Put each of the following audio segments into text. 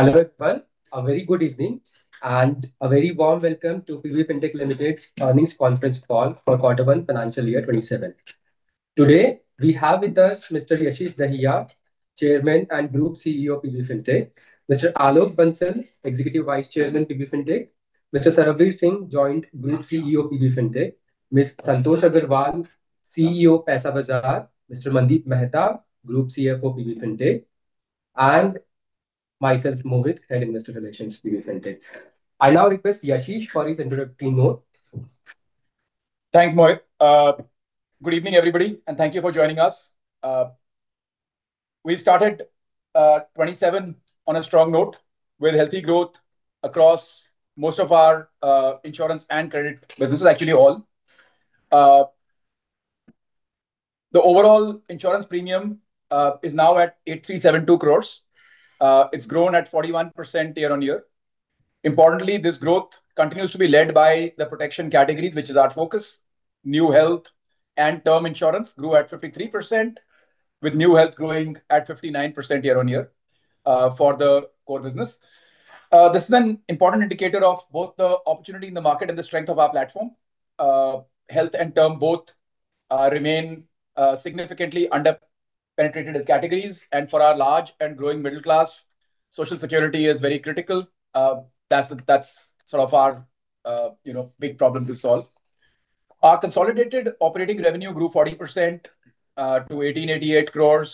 Hello, everyone. A very good evening and a very warm welcome to PB Fintech Limited's earnings conference call for quarter one, Financial Year 2027. Today we have with us Yashish Dahiya, Chairman and Group CEO, PB Fintech. Alok Bansal, Executive Vice Chairman, PB Fintech. Sarbvir Singh, Joint Group CEO, PB Fintech. Santosh Agarwal, CEO, Paisabazaar. Mandeep Mehta, Group CFO, PB Fintech. Myself, Mohit, Head Investor Relations, PB Fintech. I now request Yashish for his introductory note. Thanks, Mohit. Good evening, everybody, and thank you for joining us. We've started 2027 on a strong note with healthy growth across most of our insurance and credit businesses, actually all. The overall insurance premium is now at 8,372 crore. It's grown at 41% year-on-year. Importantly, this growth continues to be led by the protection categories, which is our focus. New health and term insurance grew at 53%, with new health growing at 59% year-on-year for the core business. This is an important indicator of both the opportunity in the market and the strength of our platform. Health and term both remain significantly under-penetrated as categories, and for our large and growing middle class, social security is very critical. That's sort of our big problem to solve. Our consolidated operating revenue grew 40% to 1,888 crore,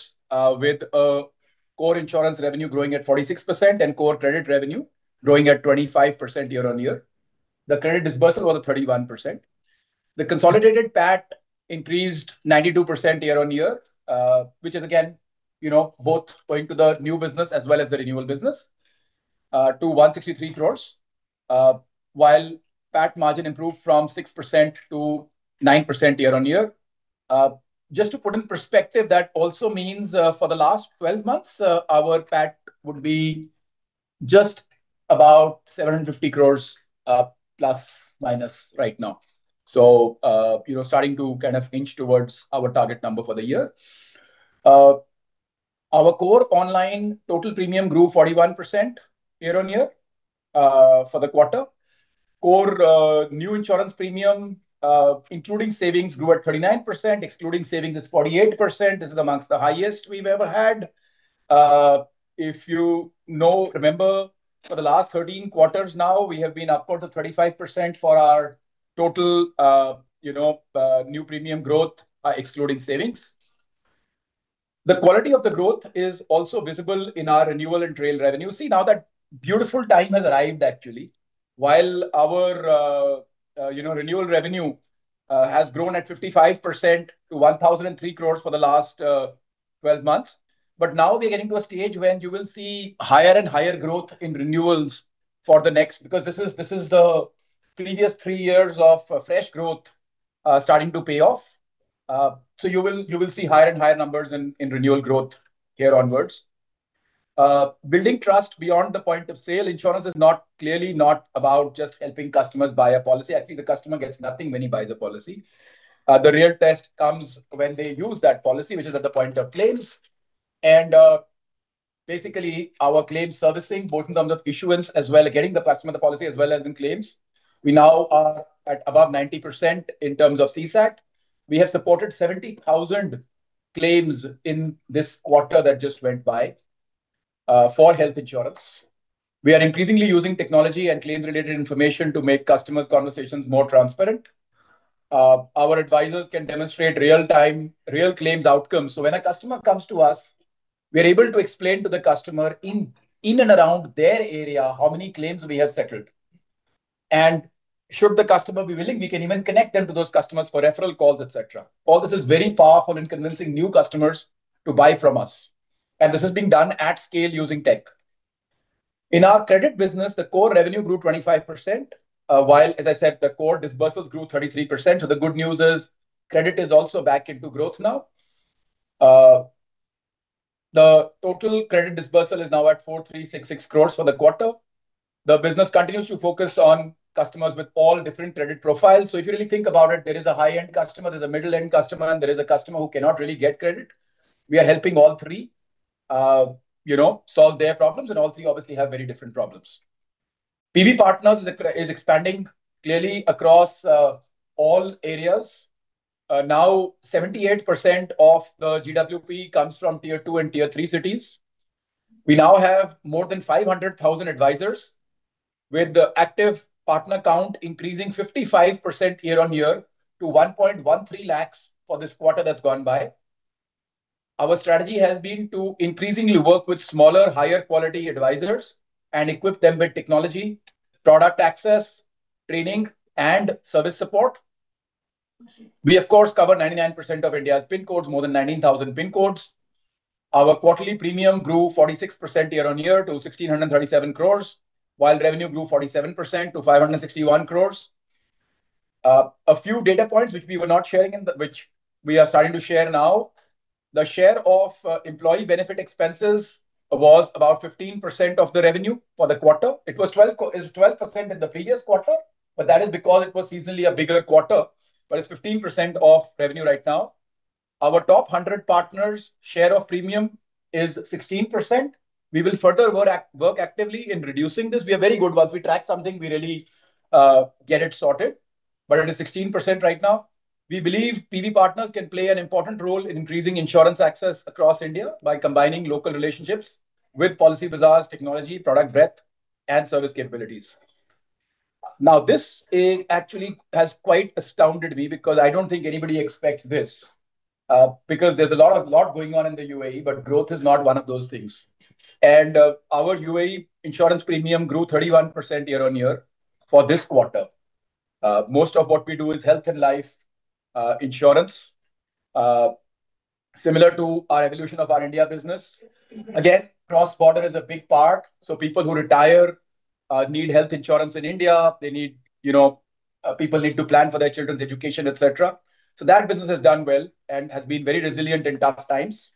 with core insurance revenue growing at 46% and core credit revenue growing at 25% year-on-year. The credit disbursement was at 31%. The consolidated PAT increased 92% year-on-year, which is again both owing to the new business as well as the renewal business, to 163 crore. While PAT margin improved from 6%-9% year-on-year. Just to put in perspective, that also means for the last 12 months, our PAT would be just about 750 crore, plus, minus right now. Starting to kind of inch towards our target number for the year. Our core online total premium grew 41% year-on-year for the quarter. Core new insurance premium, including savings, grew at 39%. Excluding savings, it's 48%. This is amongst the highest we've ever had. If you remember, for the last 13 quarters now, we have been upwards of 35% for our total new premium growth, excluding savings. The quality of the growth is also visible in our renewal and trail revenue. See, now that beautiful time has arrived, actually. While our renewal revenue has grown at 55% to 1,003 crore for the last 12 months. Now we're getting to a stage when you will see higher and higher growth in renewals for the next, because this is the previous three years of fresh growth starting to pay off. You will see higher and higher numbers in renewal growth here onwards. Building trust beyond the point of sale. Insurance is clearly not about just helping customers buy a policy. Actually, the customer gets nothing when he buys a policy. The real test comes when they use that policy, which is at the point of claims. Basically, our claims servicing, both in terms of issuance as well, getting the customer the policy as well as in claims. We now are at above 90% in terms of CSAT. We have supported 70,000 claims in this quarter that just went by for health insurance. We are increasingly using technology and claims-related information to make customers' conversations more transparent. Our advisors can demonstrate real-time, real claims outcomes. When a customer comes to us, we are able to explain to the customer in and around their area how many claims we have settled. Should the customer be willing, we can even connect them to those customers for referral calls, et cetera. All this is very powerful in convincing new customers to buy from us, and this is being done at scale using tech. In our credit business, the core revenue grew 25%, while, as I said, the core disbursements grew 33%. The good news is credit is also back into growth now. The total credit disbursement is now at 4,366 crores for the quarter. The business continues to focus on customers with all different credit profiles. If you really think about it, there is a high-end customer, there's a middle-end customer, and there is a customer who cannot really get credit. We are helping all three solve their problems, and all three obviously have very different problems. PBPartners is expanding clearly across all areas. 78% of the GWP comes from Tier 2 and Tier 3 cities. We now have more than 500,000 advisors, with the active partner count increasing 55% year-on-year to 1.13 lakh for this quarter that's gone by. Our strategy has been to increasingly work with smaller, higher quality advisors and equip them with technology, product access, training, and service support. We, of course, cover 99% of India's pin codes, more than 19,000 pin codes. Our quarterly premium grew 46% year-on-year to 1,637 crores, while revenue grew 47% to 561 crores. A few data points which we were not sharing, which we are starting to share now. The share of employee benefit expenses was about 15% of the revenue for the quarter. It was 12% in the previous quarter, but that is because it was seasonally a bigger quarter. But it's 15% of revenue right now. Our top 100 partners share of premium is 16%. We will further work actively in reducing this. We are very good. Once we track something, we really get it sorted, but it is 16% right now. We believe PBPartners can play an important role in increasing insurance access across India by combining local relationships with Policybazaar's technology, product breadth, and service capabilities. This actually has quite astounded me because I don't think anybody expects this. There's a lot going on in the UAE, but growth is not one of those things. Our UAE insurance premium grew 31% year-on-year for this quarter. Most of what we do is health and life insurance, similar to our evolution of our India business. Again, cross-border is a big part. People who retire need health insurance in India. People need to plan for their children's education, et cetera. That business has done well and has been very resilient in tough times.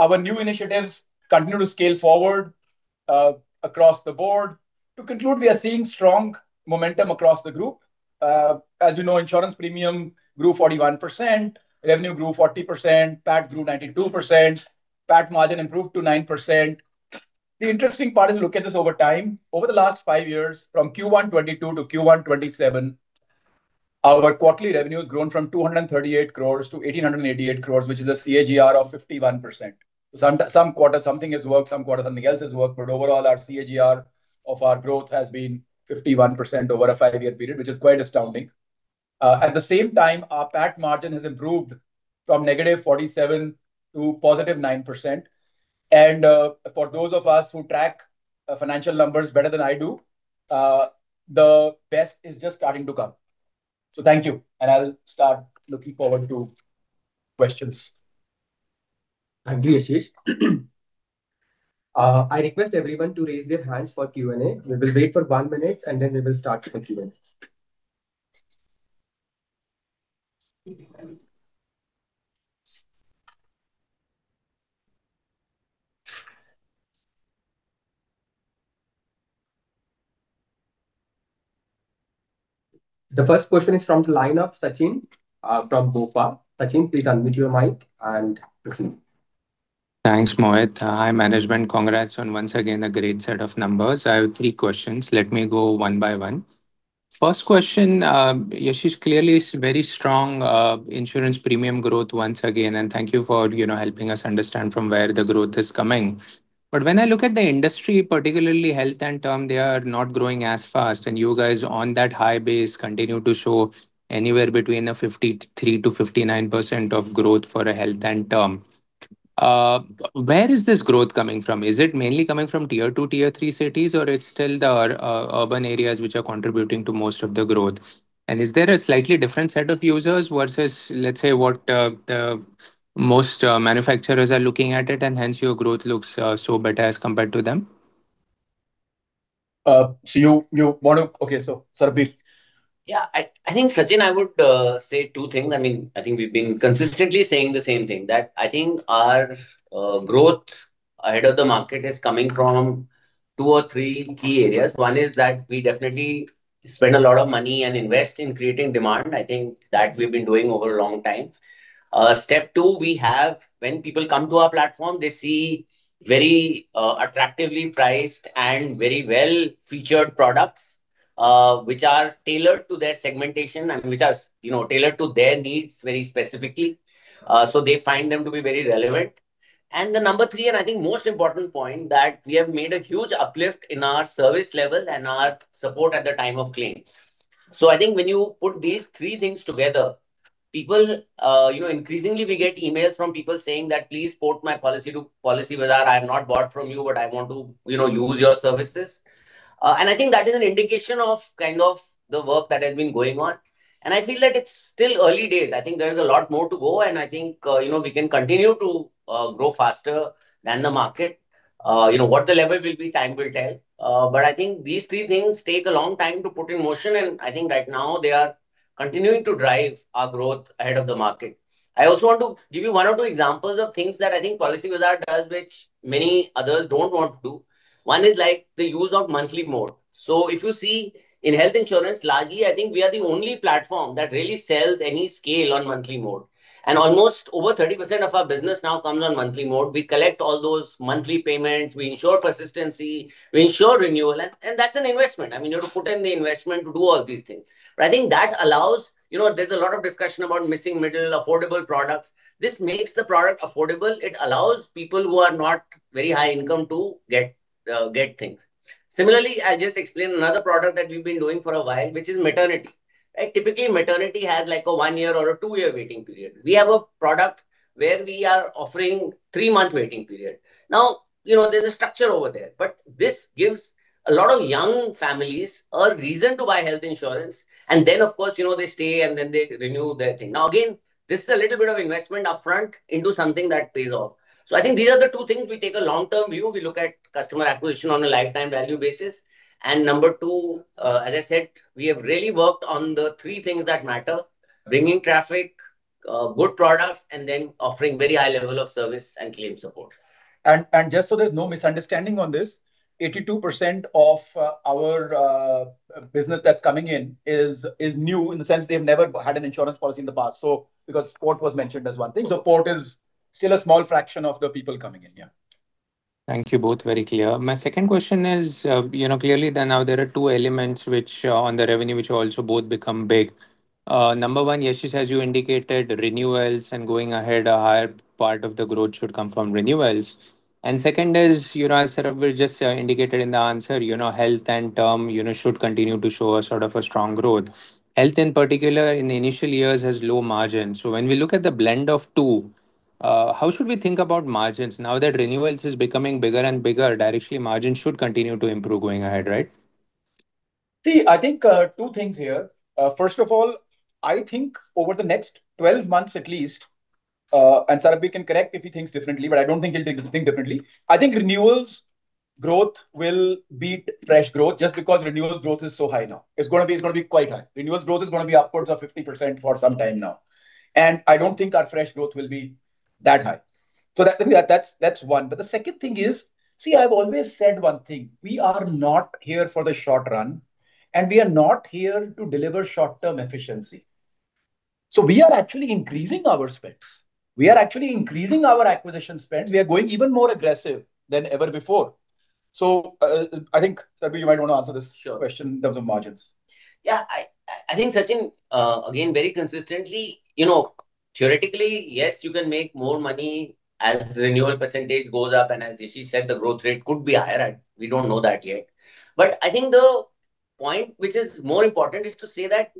Our new initiatives continue to scale forward across the board. To conclude, we are seeing strong momentum across the group. As you know, insurance premium grew 41%, revenue grew 40%, PAT grew 92%, PAT margin improved to 9%. The interesting part is, look at this over time. Over the last five years, from Q1 2022 to Q1 2027, our quarterly revenue has grown from 238 crore to 1,888 crore, which is a CAGR of 51%. Some quarter something has worked, some quarter something else has worked, but overall, our CAGR of our growth has been 51% over a five-year period, which is quite astounding. At the same time, our PAT margin has improved from -47% to +9%. For those of us who track financial numbers better than I do, the best is just starting to come. Thank you, and I will start looking forward to questions. Thank you, Yashish. I request everyone to raise their hands for Q&A. We will wait for one minute, and then we will start with Q&A. The first question is from the line of Sachin, from BofA. Sachin, please unmute your mic and proceed. Thanks, Mohit. Hi, management. Congrats on once again, a great set of numbers. I have three questions. Let me go one by one. First question. Yashish, clearly it's very strong insurance premium growth once again, and thank you for helping us understand from where the growth is coming. But when I look at the industry, particularly health and term, they are not growing as fast, and you guys on that high base continue to show anywhere between a 53%-59% of growth for a health and term. Where is this growth coming from? Is it mainly coming from Tier 2, Tier 3 cities, or it's still the urban areas which are contributing to most of the growth? Is there a slightly different set of users versus, let's say, what most manufacturers are looking at it, and hence your growth looks so better as compared to them? Okay. Sarbvir. I think, Sachin, I would say two things. I think we've been consistently saying the same thing, that I think our growth ahead of the market is coming from two or three key areas. One is that we definitely spend a lot of money and invest in creating demand. I think that we've been doing over a long time. Step two, we have, when people come to our platform, they see very attractively priced and very well-featured products, which are tailored to their segmentation and which are tailored to their needs very specifically. They find them to be very relevant. The number three, and I think most important point, that we have made a huge uplift in our service level and our support at the time of claims. I think when you put these three things together, increasingly, we get emails from people saying that, "Please port my policy to Policybazaar. I have not bought from you, but I want to use your services." I think that is an indication of kind of the work that has been going on. I feel like it's still early days. I think there is a lot more to go, and I think we can continue to grow faster than the market. What the level will be, time will tell. I think these three things take a long time to put in motion, and I think right now they are continuing to drive our growth ahead of the market. I also want to give you one or two examples of things that I think Policybazaar does, which many others don't want to do. One is the use of monthly mode. If you see in health insurance, largely, I think we are the only platform that really sells any scale on monthly mode. Almost over 30% of our business now comes on monthly mode. We collect all those monthly payments, we ensure persistency, we ensure renewal, and that's an investment. You have to put in the investment to do all these things. I think that allows. There's a lot of discussion about missing middle, affordable products. This makes the product affordable. It allows people who are not very high income to get things. Similarly, I'll just explain another product that we've been doing for a while, which is maternity. Typically, maternity has a one year or a two-year waiting period. We have a product where we are offering three-month waiting period. There's a structure over there. This gives a lot of young families a reason to buy health insurance, and then, of course, they stay, and then they renew their thing. Again, this is a little bit of investment upfront into something that pays off. I think these are the two things. We take a long-term view. We look at customer acquisition on a lifetime value basis. Number two, as I said, we have really worked on the three things that matter, bringing traffic, good products, and then offering very high level of service and claim support. Just so there's no misunderstanding on this 82% of our business that's coming in is new in the sense they've never had an insurance policy in the past, because sport was mentioned as one thing. Sport is still a small fraction of the people coming in. Yeah. Thank you both. Very clear. My second question is, clearly now there are two elements on the revenue which also both become big. Number one, Yashish, as you indicated, renewals and going ahead a higher part of the growth should come from renewals. Second is, Sarbvir just indicated in the answer, health and term, should continue to show a sort of a strong growth. Health, in particular, in the initial years has low margin. When we look at the blend of two, how should we think about margins now that renewals is becoming bigger and bigger? That actually margins should continue to improve going ahead, right? I think two things here. First of all, I think over the next 12 months at least, and Sarbvir can correct if he thinks differently, but I don't think he'll think differently. I think renewals growth will beat fresh growth just because renewals growth is so high now. It's going to be quite high. Renewals growth is going to be upwards of 50% for some time now. I don't think our fresh growth will be that high. That's one. The second thing is, I've always said one thing. We are not here for the short run, and we are not here to deliver short-term efficiency. We are actually increasing our spends. We are actually increasing our acquisition spends. We are going even more aggressive than ever before. I think, Sarbvir, you might want to answer this question of the margins. Yeah. I think, Sachin, again, very consistently, theoretically, yes, you can make more money as renewal percentage goes up, and as Yashish said, the growth rate could be higher. We don't know that yet. The point which is more important is to say that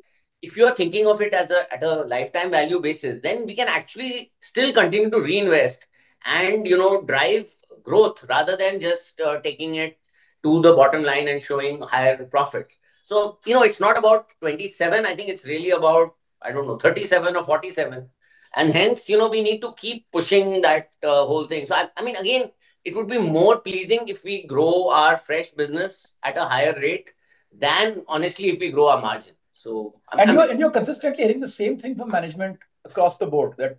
if you are thinking of it at a lifetime value basis, then we can actually still continue to reinvest and drive growth rather than just taking it to the bottom line and showing higher profits. It's not about 27. I think it's really about, I don't know, 37 or 47. Hence, we need to keep pushing that whole thing. Again, it would be more pleasing if we grow our fresh business at a higher rate than, honestly, if we grow our margin. So- You're consistently hearing the same thing from management across the board, that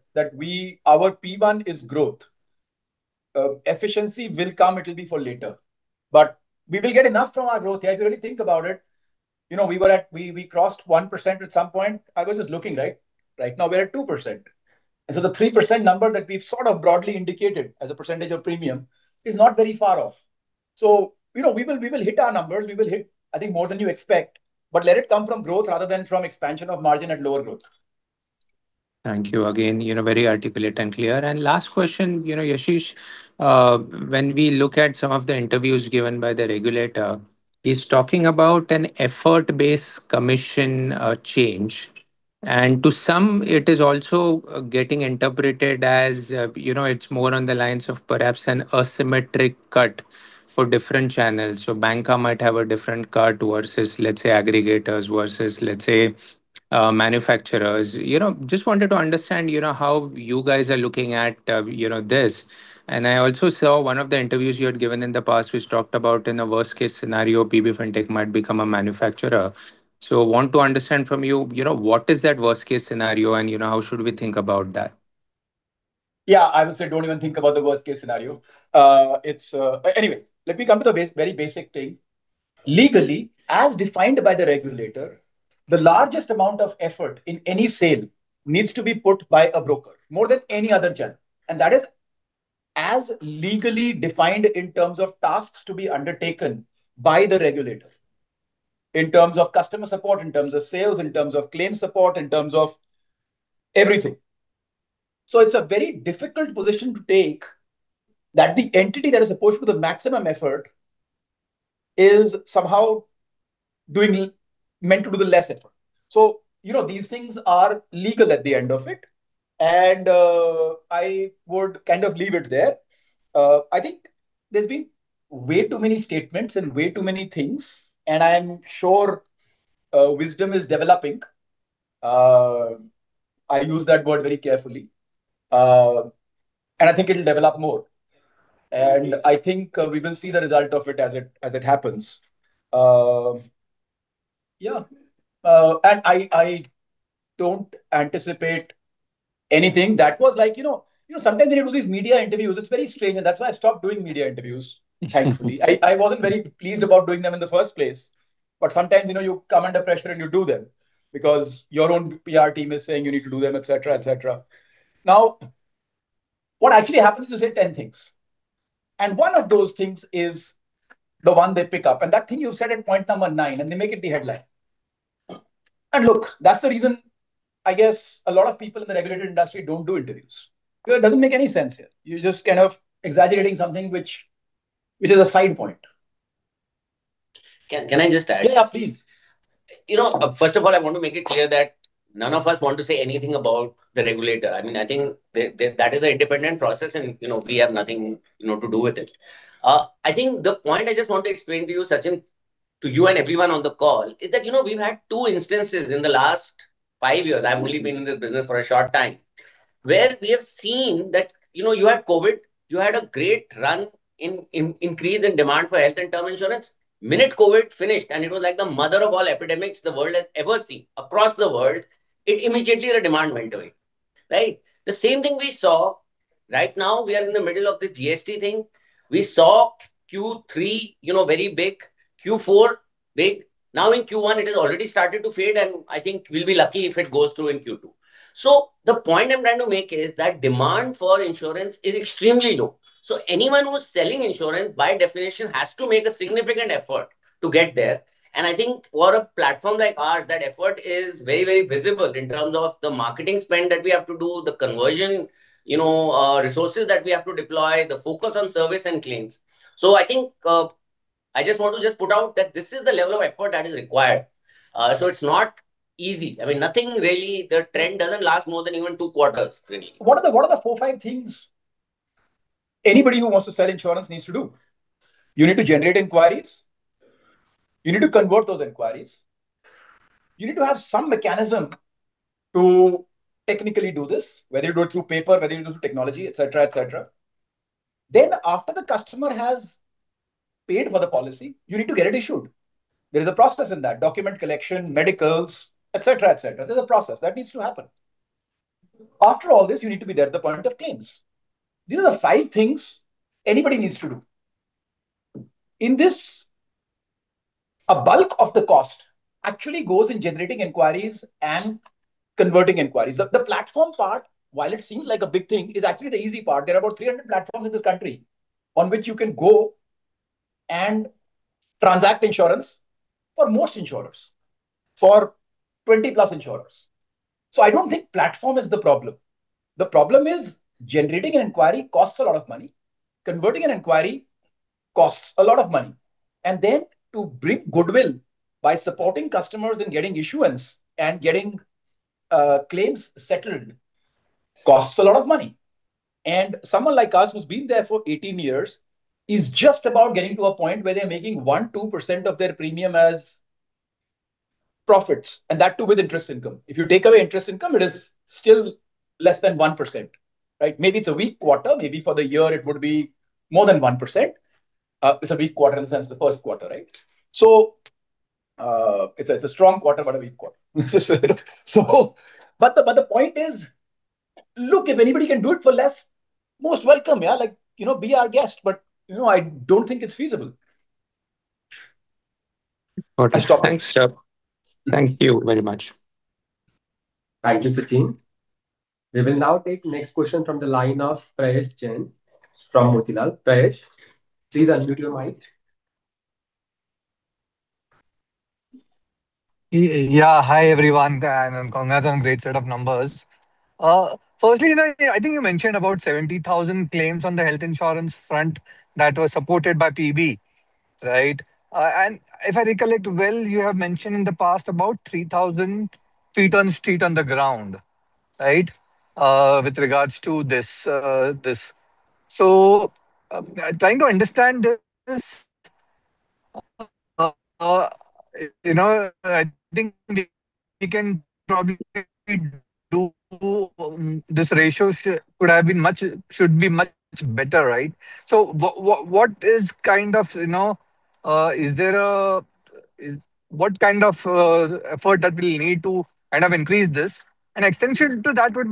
our P1 is growth. Efficiency will come, it'll be for later. We will get enough from our growth here if you really think about it. We crossed 1% at some point. I was just looking, right? Right now we're at 2%. The 3% number that we've sort of broadly indicated as a percentage of premium is not very far off. We will hit our numbers. We will hit, I think, more than you expect, but let it come from growth rather than from expansion of margin at lower growth. Thank you again. Very articulate and clear. Last question, Yashish. When we look at some of the interviews given by the regulator, he's talking about an effort-based commission change. To some, it is also getting interpreted as it's more on the lines of perhaps an asymmetric cut for different channels. Banca might have a different cut versus, let's say, aggregators versus, let's say, manufacturers. Just wanted to understand how you guys are looking at this. I also saw one of the interviews you had given in the past which talked about in a worst-case scenario, PB Fintech might become a manufacturer. Want to understand from you, what is that worst case scenario, and how should we think about that? Yeah. I would say don't even think about the worst-case scenario. Let me come to the very basic thing. Legally, as defined by the regulator, the largest amount of effort in any sale needs to be put by a broker, more than any other channel. That is as legally defined in terms of tasks to be undertaken by the regulator. In terms of customer support, in terms of sales, in terms of claim support, in terms of everything. It's a very difficult position to take that the entity that is supposed to put the maximum effort is somehow meant to do the less effort. These things are legal at the end of it, and I would kind of leave it there. I think there's been way too many statements and way too many things, and I'm sure wisdom is developing. I use that word very carefully. I think it'll develop more. I think we will see the result of it as it happens. Yeah. I don't anticipate anything. That was like, sometimes when you do these media interviews, it's very strange. That's why I stopped doing media interviews, thankfully. I wasn't very pleased about doing them in the first place. Sometimes, you come under pressure and you do them because your own PR team is saying you need to do them, et cetera. What actually happens is you say 10 things, and one of those things is the one they pick up. That thing you said at point number nine, and they make it the headline. Look, that's the reason, I guess, a lot of people in the regulated industry don't do interviews. It doesn't make any sense here. You're just kind of exaggerating something which is a side point. Can I just add? Yeah. Please. First of all, I want to make it clear that none of us want to say anything about the regulator. I think that is an independent process and we have nothing to do with it. I think the point I just want to explain to you, Sachin, to you and everyone on the call is that, we've had two instances in the last five years. I've only been in this business for a short time. Where we have seen that, you had COVID, you had a great run in increase in demand for health and term insurance. The minute COVID finished, and it was like the mother of all epidemics the world has ever seen across the world, immediately the demand went away. Right? The same thing we saw. Right now, we are in the middle of this GST thing. We saw Q3 very big, Q4 big. In Q1 it has already started to fade, and I think we'll be lucky if it goes through in Q2. The point I'm trying to make is that demand for insurance is extremely low. Anyone who's selling insurance, by definition, has to make a significant effort to get there. I think for a platform like ours, that effort is very, very visible in terms of the marketing spend that we have to do, the conversion resources that we have to deploy, the focus on service and claims. I think, I just want to just put out that this is the level of effort that is required. It's not easy. The trend doesn't last more than even two quarters, really. What are the four, five things anybody who wants to sell insurance needs to do? You need to generate inquiries. You need to convert those inquiries. You need to have some mechanism to technically do this, whether you do it through paper, whether you do it through technology, et cetera. After the customer has paid for the policy, you need to get it issued. There is a process in that. Document collection, medicals, et cetera. There's a process. That needs to happen. After all this, you need to be there at the point of claims. These are the five things anybody needs to do. In this, a bulk of the cost actually goes in generating inquiries and converting inquiries. The platform part, while it seems like a big thing, is actually the easy part. There are about 300 platforms in this country on which you can go and transact insurance for most insurers, for 20+ insurers. I don't think platform is the problem. The problem is generating an inquiry costs a lot of money. Converting an inquiry costs a lot of money. Then to bring goodwill by supporting customers in getting issuance and getting claims settled costs a lot of money. Someone like us, who's been there for 18 years, is just about getting to a point where they're making 1%, 2% of their premium as profits, and that too with interest income. If you take away interest income, it is still less than 1%, right? Maybe it's a weak quarter. Maybe for the year it would be more than 1%. It's a weak quarter in the sense the first quarter, right? It's a strong quarter, but a weak quarter. The point is, look, if anybody can do it for less, most welcome. Be our guest. I don't think it's feasible. I'll stop there. Okay. Thanks. Thank you very much. Thank you, Sachin. We will now take next question from the line of Prayesh Jain from Motilal. Prayesh, please unmute your mic. Yeah. Hi, everyone, congrats on great set of numbers. Firstly, I think you mentioned about 70,000 claims on the health insurance front that was supported by PB, right? If I recollect well, you have mentioned in the past about 3,000 feet on street on the ground, right? With regards to this. I'm trying to understand this. I think you can probably do this ratio should be much better, right? What kind of effort that will need to increase this? Extension to that would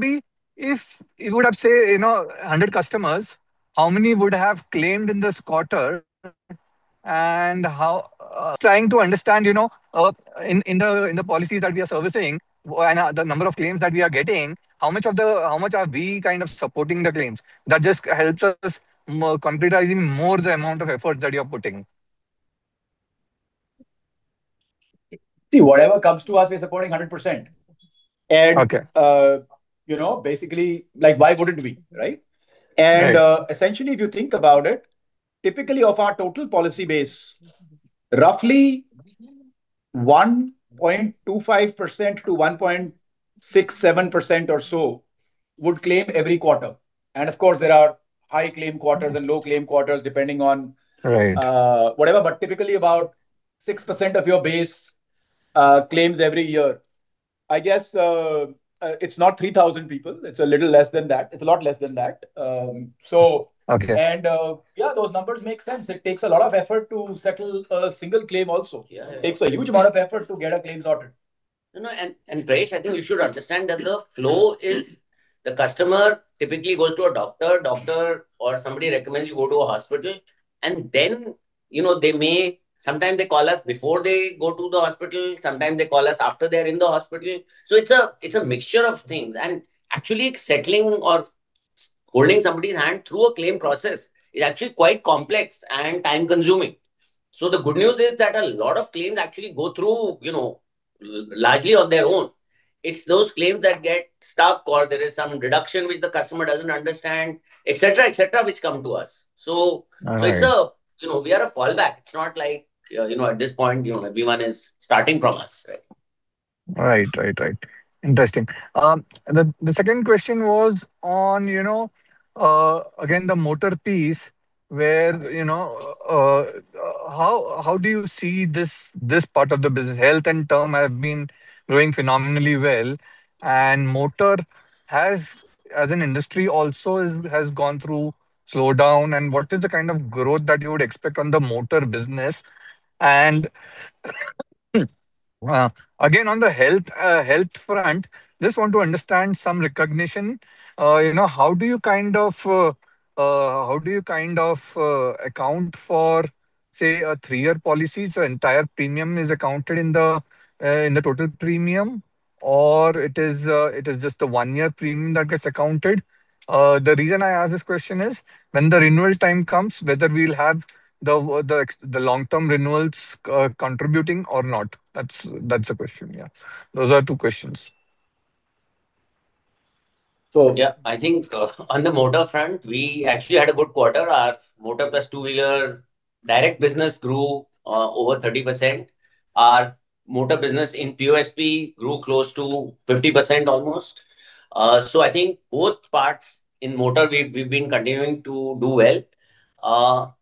be, if you would have, say, 100 customers, how many would have claimed in this quarter? Trying to understand in the policies that we are servicing and the number of claims that we are getting, how much are we supporting the claims? That just helps us concretizing more the amount of effort that you're putting. See, whatever comes to us, we're supporting 100%. Okay. Basically, why wouldn't we, right? Essentially, if you think about it, typically of our total policy base, roughly 1.25%-1.67% or so would claim every quarter. Of course, there are high claim quarters and low claim quarters depending on whatever. Typically, about 6% of your base claims every year. I guess, it's not 3,000 people. It's a little less than that. It's a lot less than that. Okay. Yeah, those numbers make sense. It takes a lot of effort to settle a single claim also. It takes a huge amount of effort to get a claim sorted. Prayesh, I think you should understand that the flow is the customer typically goes to a doctor, or somebody recommends you go to a hospital, sometimes they call us before they go to the hospital, sometimes they call us after they're in the hospital. It's a mixture of things. Actually settling or holding somebody's hand through a claim process is actually quite complex and time-consuming. The good news is that a lot of claims actually go through largely on their own. It's those claims that get stuck or there is some reduction which the customer doesn't understand, et cetera, which come to us. All right. We are a fallback. It's not like at this point everyone is starting from us, right? Right. Interesting. The second question was on, again, the motor piece. How do you see this part of the business? Health and term have been growing phenomenally well, motor as an industry also has gone through slowdown. What is the kind of growth that you would expect on the motor business? Again, on the health front, just want to understand some recognition. How do you account for, say, a three-year policy? Entire premium is accounted in the total premium, or it is just the one-year premium that gets accounted? The reason I ask this question is when the renewal time comes, whether we'll have the long-term renewals contributing or not. That's the question, yeah. Those are two questions. Yeah. I think on the motor front, we actually had a good quarter. Our motor plus two-wheeler direct business grew over 30%. Our motor business in POSP grew close to 50%, almost. I think both parts in motor, we've been continuing to do well.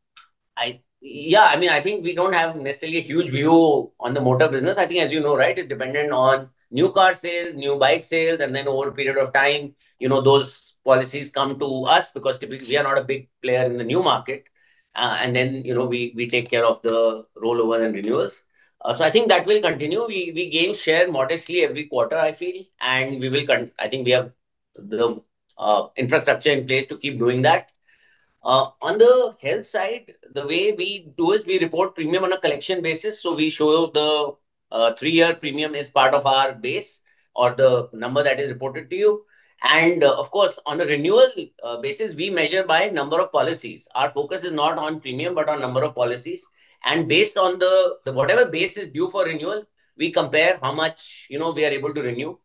I think we don't have necessarily a huge view on the motor business. I think as you know, right, it's dependent on new car sales, new bike sales, and then over a period of time, those policies come to us because typically we are not a big player in the new market. Then, we take care of the rollover and renewals. I think that will continue. We gain share modestly every quarter, I feel. I think we have the infrastructure in place to keep doing that. On the health side, the way we do is we report premium on a collection basis. We show the three-year premium as part of our base or the number that is reported to you. Of course, on a renewal basis, we measure by number of policies. Our focus is not on premium, but on number of policies. Based on whatever base is due for renewal, we compare how much we are able to renew.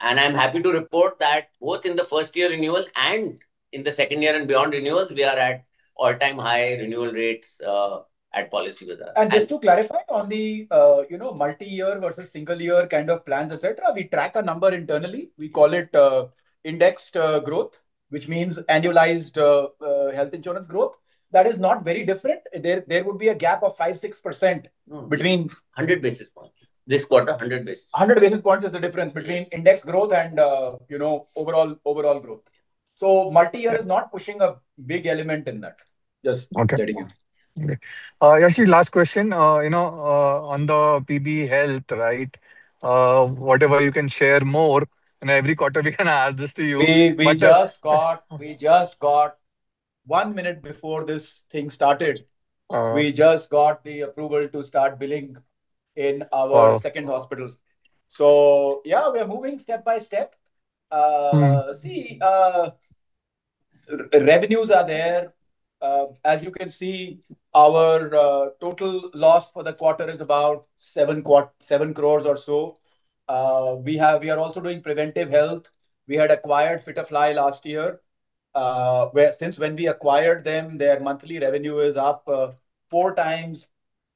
I'm happy to report that both in the first-year renewal and in the second year and beyond renewals, we are at all-time high renewal rates at Policybazaar. Just to clarify on the multi-year versus single year kind of plans, et cetera, we track a number internally. We call it indexed growth, which means annualized health insurance growth. That is not very different. There would be a gap of 5%, 6% between- 100 basis points. This quarter, 100 basis. 100 basis points is the difference between index growth and overall growth. Multi-year is not pushing a big element in that. Okay. Yashish, last question. On the PB Health, whatever you can share more. Every quarter we can ask this to you. We just got, one minute before this thing started, we just got the approval to start billing in our second hospital. Yeah, we are moving step by step. See, revenues are there. As you can see, our total loss for the quarter is about seven crores or so. We are also doing preventive health. We had acquired Fitterfly last year, where since when we acquired them, their monthly revenue is up four times.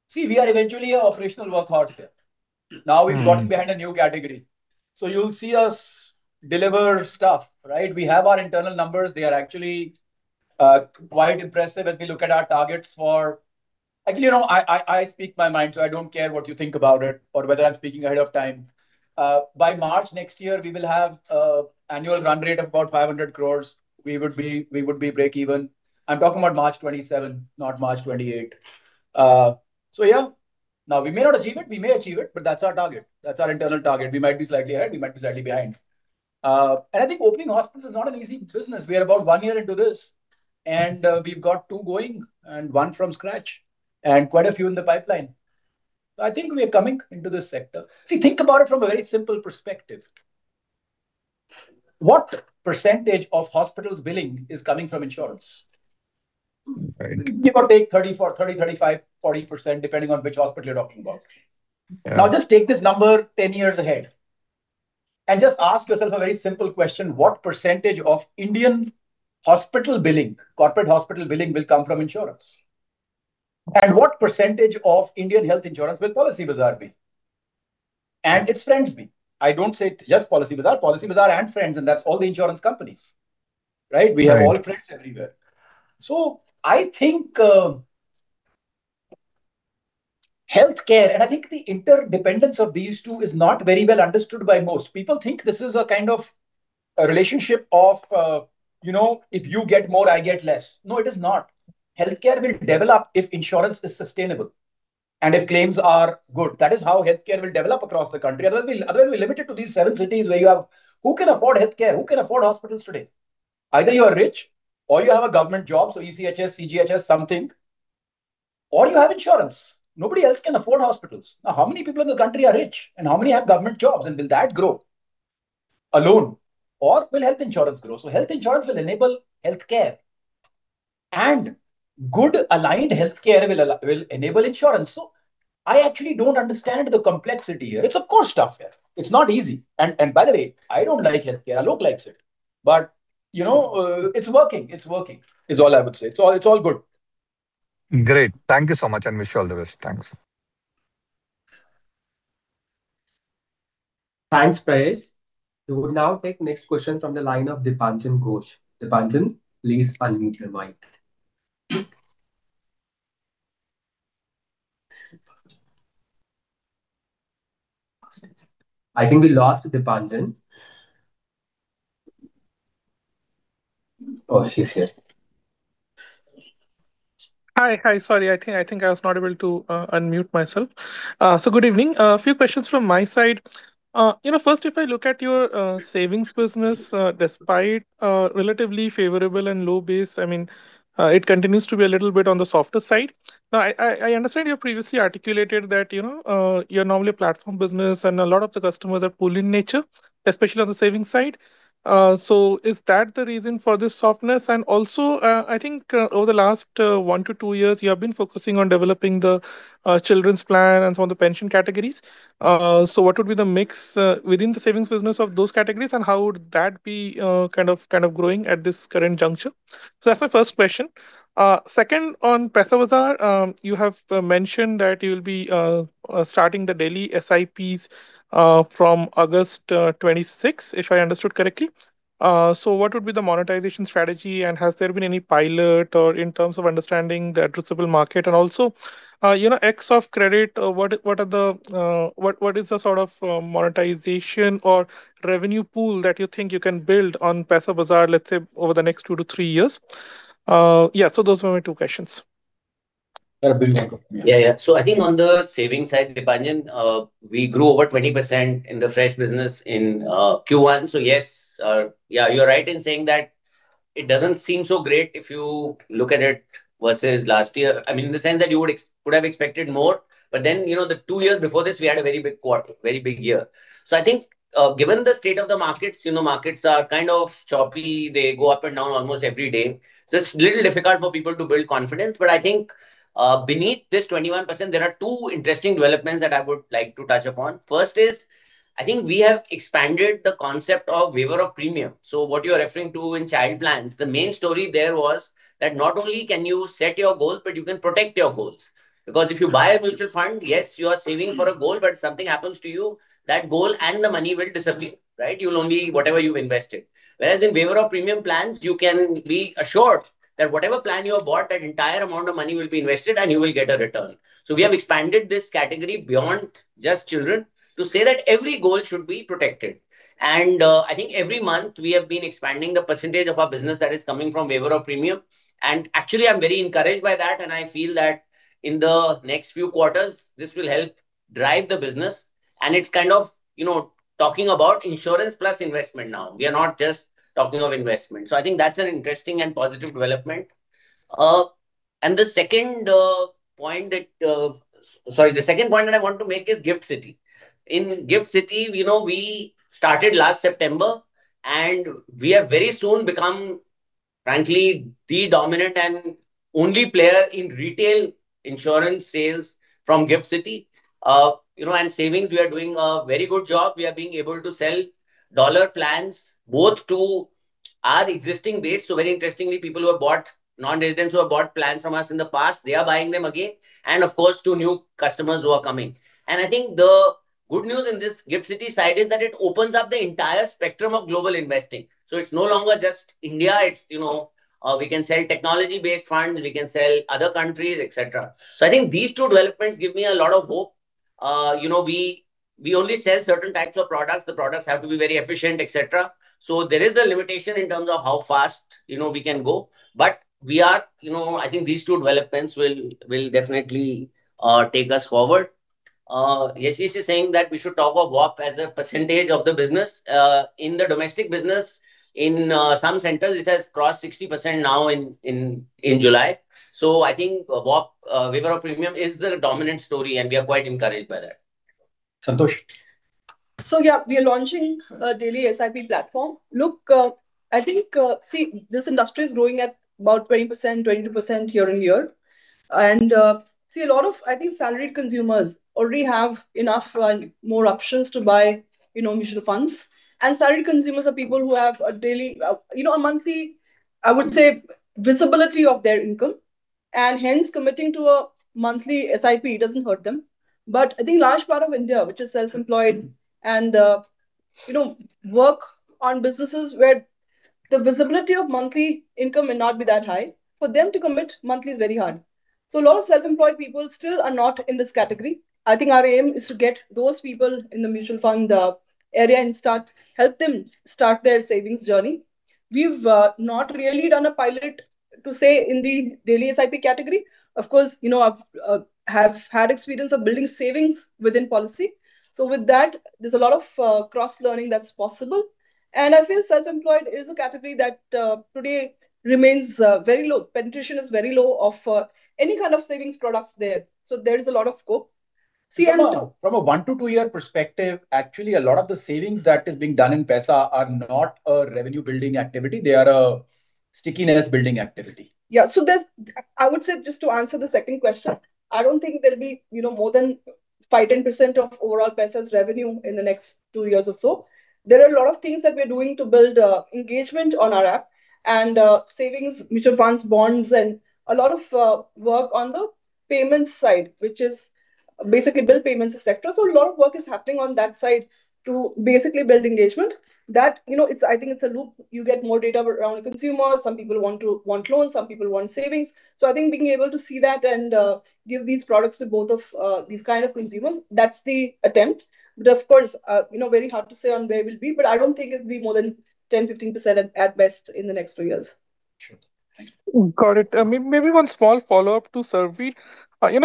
See, we are eventually a operational vertical gotten behind a new category. You'll see us deliver stuff, right? We have our internal numbers. They are actually quite impressive as we look at our targets for I speak my mind, so I don't care what you think about it or whether I'm speaking ahead of time. By March next year, we will have annual run rate of about 500 crore. We would be break even. I'm talking about March 2027, not March 2028. Yeah. We may not achieve it. We may achieve it, but that's our target. That's our internal target. We might be slightly ahead, we might be slightly behind. I think opening hospitals is not an easy business. We are about one year into this, and we've got two going, and one from scratch, and quite a few in the pipeline. I think we are coming into this sector. Think about it from a very simple perspective. What percentage of hospitals' billing is coming from insurance? Give or take 34%, 30%, 35%, 40%, depending on which hospital you're talking about. Just take this number 10 years ahead, just ask yourself a very simple question: what percentage of Indian hospital billing, corporate hospital billing, will come from insurance? What percentage of Indian health insurance will Policybazaar be? Its friends be. I don't say just Policybazaar and friends, that's all the insurance companies, right? We have all friends everywhere. I think healthcare, and I think the interdependence of these two is not very well understood by most. People think this is a kind of a relationship of if you get more, I get less. No, it is not. Healthcare will develop if insurance is sustainable and if claims are good. That is how healthcare will develop across the country. Otherwise, we're limited to these seven cities where you have-- Who can afford healthcare? Who can afford hospitals today? Either you are rich or you have a government job, so ECHS, CGHS, something. Or you have insurance. Nobody else can afford hospitals. How many people in the country are rich, and how many have government jobs, and will that grow alone? Or will health insurance grow? Health insurance will enable healthcare. Good aligned healthcare will enable insurance. I actually don't understand the complexity here. It's of course tough, yeah. It's not easy. By the way, I don't like healthcare. I look like shit. It's working. It's working is all I would say. It's all good. Great. Thank you so much, and wish all the best. Thanks. Thanks, Prayesh. We will now take next question from the line of Dipanjan Ghosh. Dipanjan, please unmute your mic. I think we lost Dipanjan. Oh, he's here. Hi. Sorry, I think I was not able to unmute myself. Good evening. A few questions from my side. First, if I look at your savings business, despite a relatively favorable and low base, it continues to be a little bit on the softer side. I understand you previously articulated that you're normally a platform business and a lot of the customers are pull in nature, especially on the savings side. Is that the reason for this softness? Also, I think over the last one to two years, you have been focusing on developing the children's plan and some of the pension categories. What would be the mix within the savings business of those categories, and how would that be growing at this current juncture? That's my first question. Second, on Paisabazaar, you have mentioned that you'll be starting the daily SIPs from August 26, if I understood correctly. What would be the monetization strategy, and has there been any pilot or in terms of understanding the addressable market and also, ex of credit, what is the sort of monetization or revenue pool that you think you can build on Paisabazaar, let's say over the next two to three years? Those were my two questions. I think on the savings side, Dipanjan, we grew over 20% in the fresh business in Q1. Yes, you're right in saying that it doesn't seem so great if you look at it versus last year. In the sense that you would have expected more, but then, the two years before this, we had a very big year. I think, given the state of the markets are kind of choppy. They go up and down almost every day. It's a little difficult for people to build confidence. But I think, beneath this 21%, there are two interesting developments that I would like to touch upon. First is, I think we have expanded the concept of waiver of premium. What you're referring to in child plans, the main story there was that not only can you set your goals, but you can protect your goals. If you buy a mutual fund, yes, you are saving for a goal, but something happens to you, that goal and the money will disappear. You'll only Whatever you've invested. In waiver of premium plans, you can be assured that whatever plan you have bought, that entire amount of money will be invested and you will get a return. We have expanded this category beyond just children to say that every goal should be protected. I think every month we have been expanding the percentage of our business that is coming from waiver of premium. Actually, I'm very encouraged by that, and I feel that in the next few quarters, this will help drive the business. It's kind of talking about insurance plus investment now. We are not just talking of investment. I think that's an interesting and positive development. The second point that I want to make is Gift City. In Gift City, we started last September, and we have very soon become, frankly, the dominant and only player in retail insurance sales from Gift City. Savings, we are doing a very good job. We are being able to sell dollar plans both to our existing base. Very interestingly, people who have bought, non-residents who have bought plans from us in the past, they are buying them again, and of course, to new customers who are coming. I think the good news in this Gift City side is that it opens up the entire spectrum of global investing. It's no longer just India. We can sell technology-based funds. We can sell other countries, et cetera. I think these two developments give me a lot of hope. We only sell certain types of products. The products have to be very efficient, et cetera. There is a limitation in terms of how fast we can go, but I think these two developments will definitely take us forward. Yashish is saying that we should talk of WaP as a percentage of the business. In the domestic business, in some centers, it has crossed 60% now in July. I think WaP, waiver of premium, is the dominant story, and we are quite encouraged by that. Santosh. Yeah. We are launching a daily SIP platform. Look, this industry is growing at about 20%, 22% year-on-year. A lot of, I think, salaried consumers already have enough more options to buy mutual funds. Salaried consumers are people who have a monthly, I would say, visibility of their income, and hence committing to a monthly SIP doesn't hurt them. I think large part of India, which is self-employed and work on businesses where the visibility of monthly income may not be that high, for them to commit monthly is very hard. A lot of self-employed people still are not in this category. I think our aim is to get those people in the mutual fund area and help them start their savings journey. We've not really done a pilot, to say, in the daily SIP category. Of course, have had experience of building savings within policy. With that, there's a lot of cross-learning that's possible. I feel self-employed is a category that today remains very low. Penetration is very low of any kind of savings products there. There is a lot of scope. From a one to two-year perspective, actually, a lot of the savings that is being done in Paisabazaar are not a revenue-building activity. They are a stickiness-building activity. I would say, just to answer the second question, I don't think there'll be more than 5%-10% of overall Paisabazaar's revenue in the next two years or so. There are a lot of things that we're doing to build engagement on our app and savings, mutual funds, bonds, and a lot of work on the payments side, which is basically build payments sector. A lot of work is happening on that side to basically build engagement. I think it's a loop. You get more data around a consumer. Some people want loans. Some people want savings. I think being able to see that and give these products to both of these kind of consumers, that's the attempt. Of course, very hard to say on where we'll be, but I don't think it'll be more than 10%-15% at best in the next two years. Got it. Maybe one small follow-up to Sarbvir.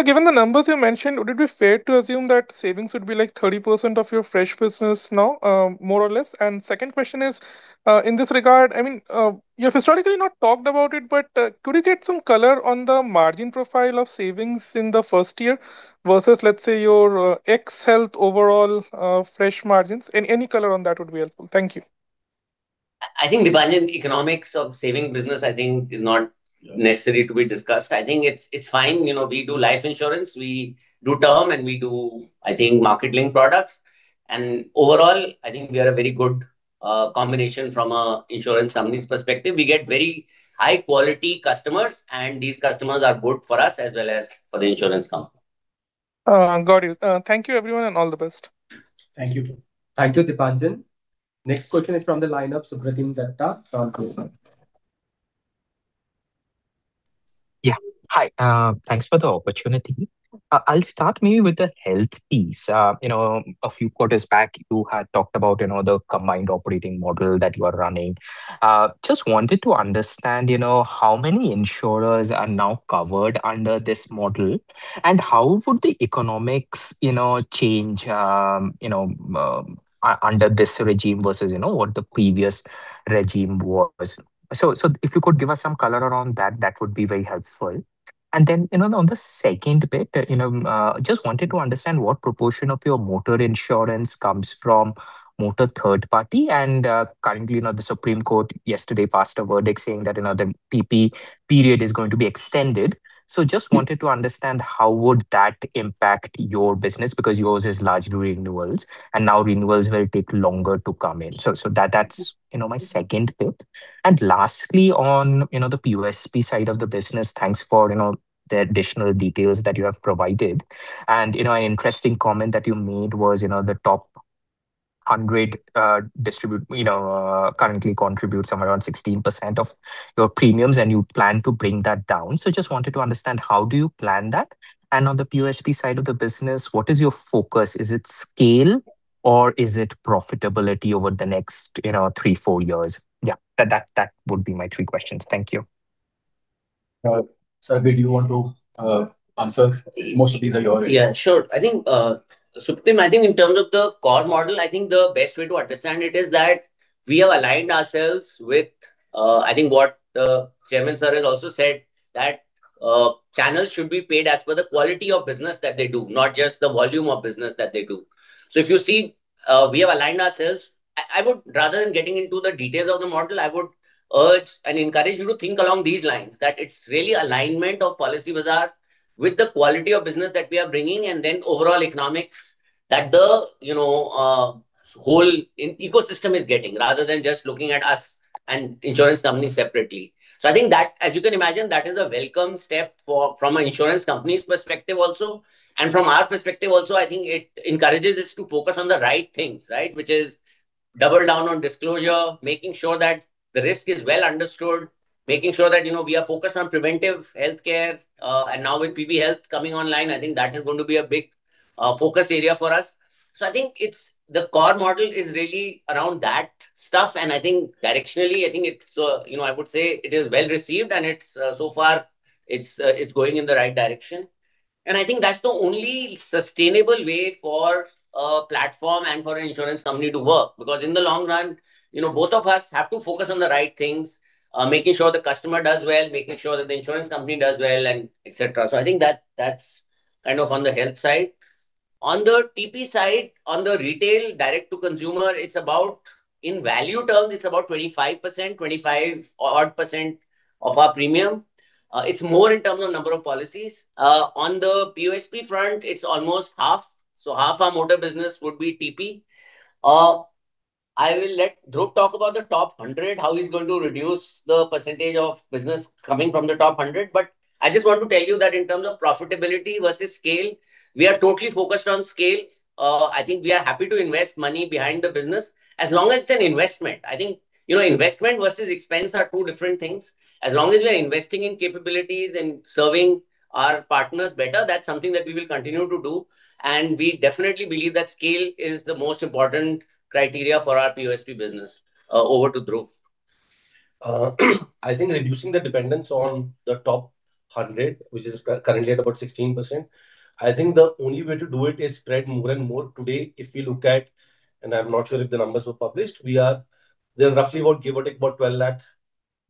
Given the numbers you mentioned, would it be fair to assume that savings would be 30% of your fresh business now, more or less? Second question is, in this regard, you have historically not talked about it, but could we get some color on the margin profile of savings in the first year versus, let's say, your PB Health overall fresh margins? Any color on that would be helpful. Thank you. I think Dipanjan, economics of saving business, I think is not necessary to be discussed. I think it's fine. We do life insurance, we do term, and we do, I think, market-linked products. Overall, I think we are a very good combination from an insurance company's perspective. We get very high quality customers, and these customers are good for us as well as for the insurance company. Got it. Thank you, everyone, and all the best. Thank you. Thank you, Dipanjan. Next question is from the line of Sukrit Dutta from Goldman. Yeah. Hi. Thanks for the opportunity. I'll start maybe with the health piece. A few quarters back, you had talked about the combined operating model that you are running. Just wanted to understand how many insurers are now covered under this model, and how would the economics change under this regime versus what the previous regime was. If you could give us some color around that would be very helpful. On the second bit, just wanted to understand what proportion of your motor insurance comes from motor third party and currently, the Supreme Court yesterday passed a verdict saying that the TP period is going to be extended. Just wanted to understand how would that impact your business, because yours is largely renewals, and now renewals will take longer to come in. That's my second bit. Lastly, on the POSP side of the business, thanks for the additional details that you have provided. An interesting comment that you made was the top 100 currently contribute somewhere around 16% of your premiums, and you plan to bring that down. Just wanted to understand how do you plan that, and on the POSP side of the business, what is your focus? Is it scale or is it profitability over the next three, four years? Yeah. That would be my three questions. Thank you. Sarbvir, do you want to answer? Most of these are yours. Yeah, sure. Sukrit, I think in terms of the core model, I think the best way to understand it is that we have aligned ourselves with, I think what Chairman sir has also said, that channels should be paid as per the quality of business that they do, not just the volume of business that they do. If you see, we have aligned ourselves. Rather than getting into the details of the model, I would urge and encourage you to think along these lines, that it's really alignment of Policybazaar with the quality of business that we are bringing, and then overall economics that the whole ecosystem is getting, rather than just looking at us and insurance companies separately. I think that, as you can imagine, that is a welcome step from an insurance company's perspective also. From our perspective also, I think it encourages us to focus on the right things, right? Which is double down on disclosure, making sure that the risk is well understood, making sure that we are focused on preventive healthcare. Now with PB Health coming online, I think that is going to be a big focus area for us. I think the core model is really around that stuff, and directionally, I think I would say it is well received and so far it's going in the right direction. I think that's the only sustainable way for a platform and for an insurance company to work. Because in the long run, both of us have to focus on the right things, making sure the customer does well, making sure that the insurance company does well, and et cetera. I think that's on the health side. On the TP side, on the retail direct to consumer, in value terms, it's about 25%-odd of our premium. It's more in terms of number of policies. On the POSP front, it's almost half. Half our motor business would be TP. I will let Dhruv talk about the top 100, how he's going to reduce the percentage of business coming from the top 100. I just want to tell you that in terms of profitability versus scale, we are totally focused on scale. I think we are happy to invest money behind the business as long as it's an investment. I think investment versus expense are two different things. As long as we are investing in capabilities and serving our partners better, that's something that we will continue to do. We definitely believe that scale is the most important criteria for our POSP business. Over to Dhruv. I think reducing the dependence on the top 100, which is currently at about 16%, I think the only way to do it is spread more and more. Today, if we look at, and I am not sure if the numbers were published, there are roughly about, give or take, about 12 lakh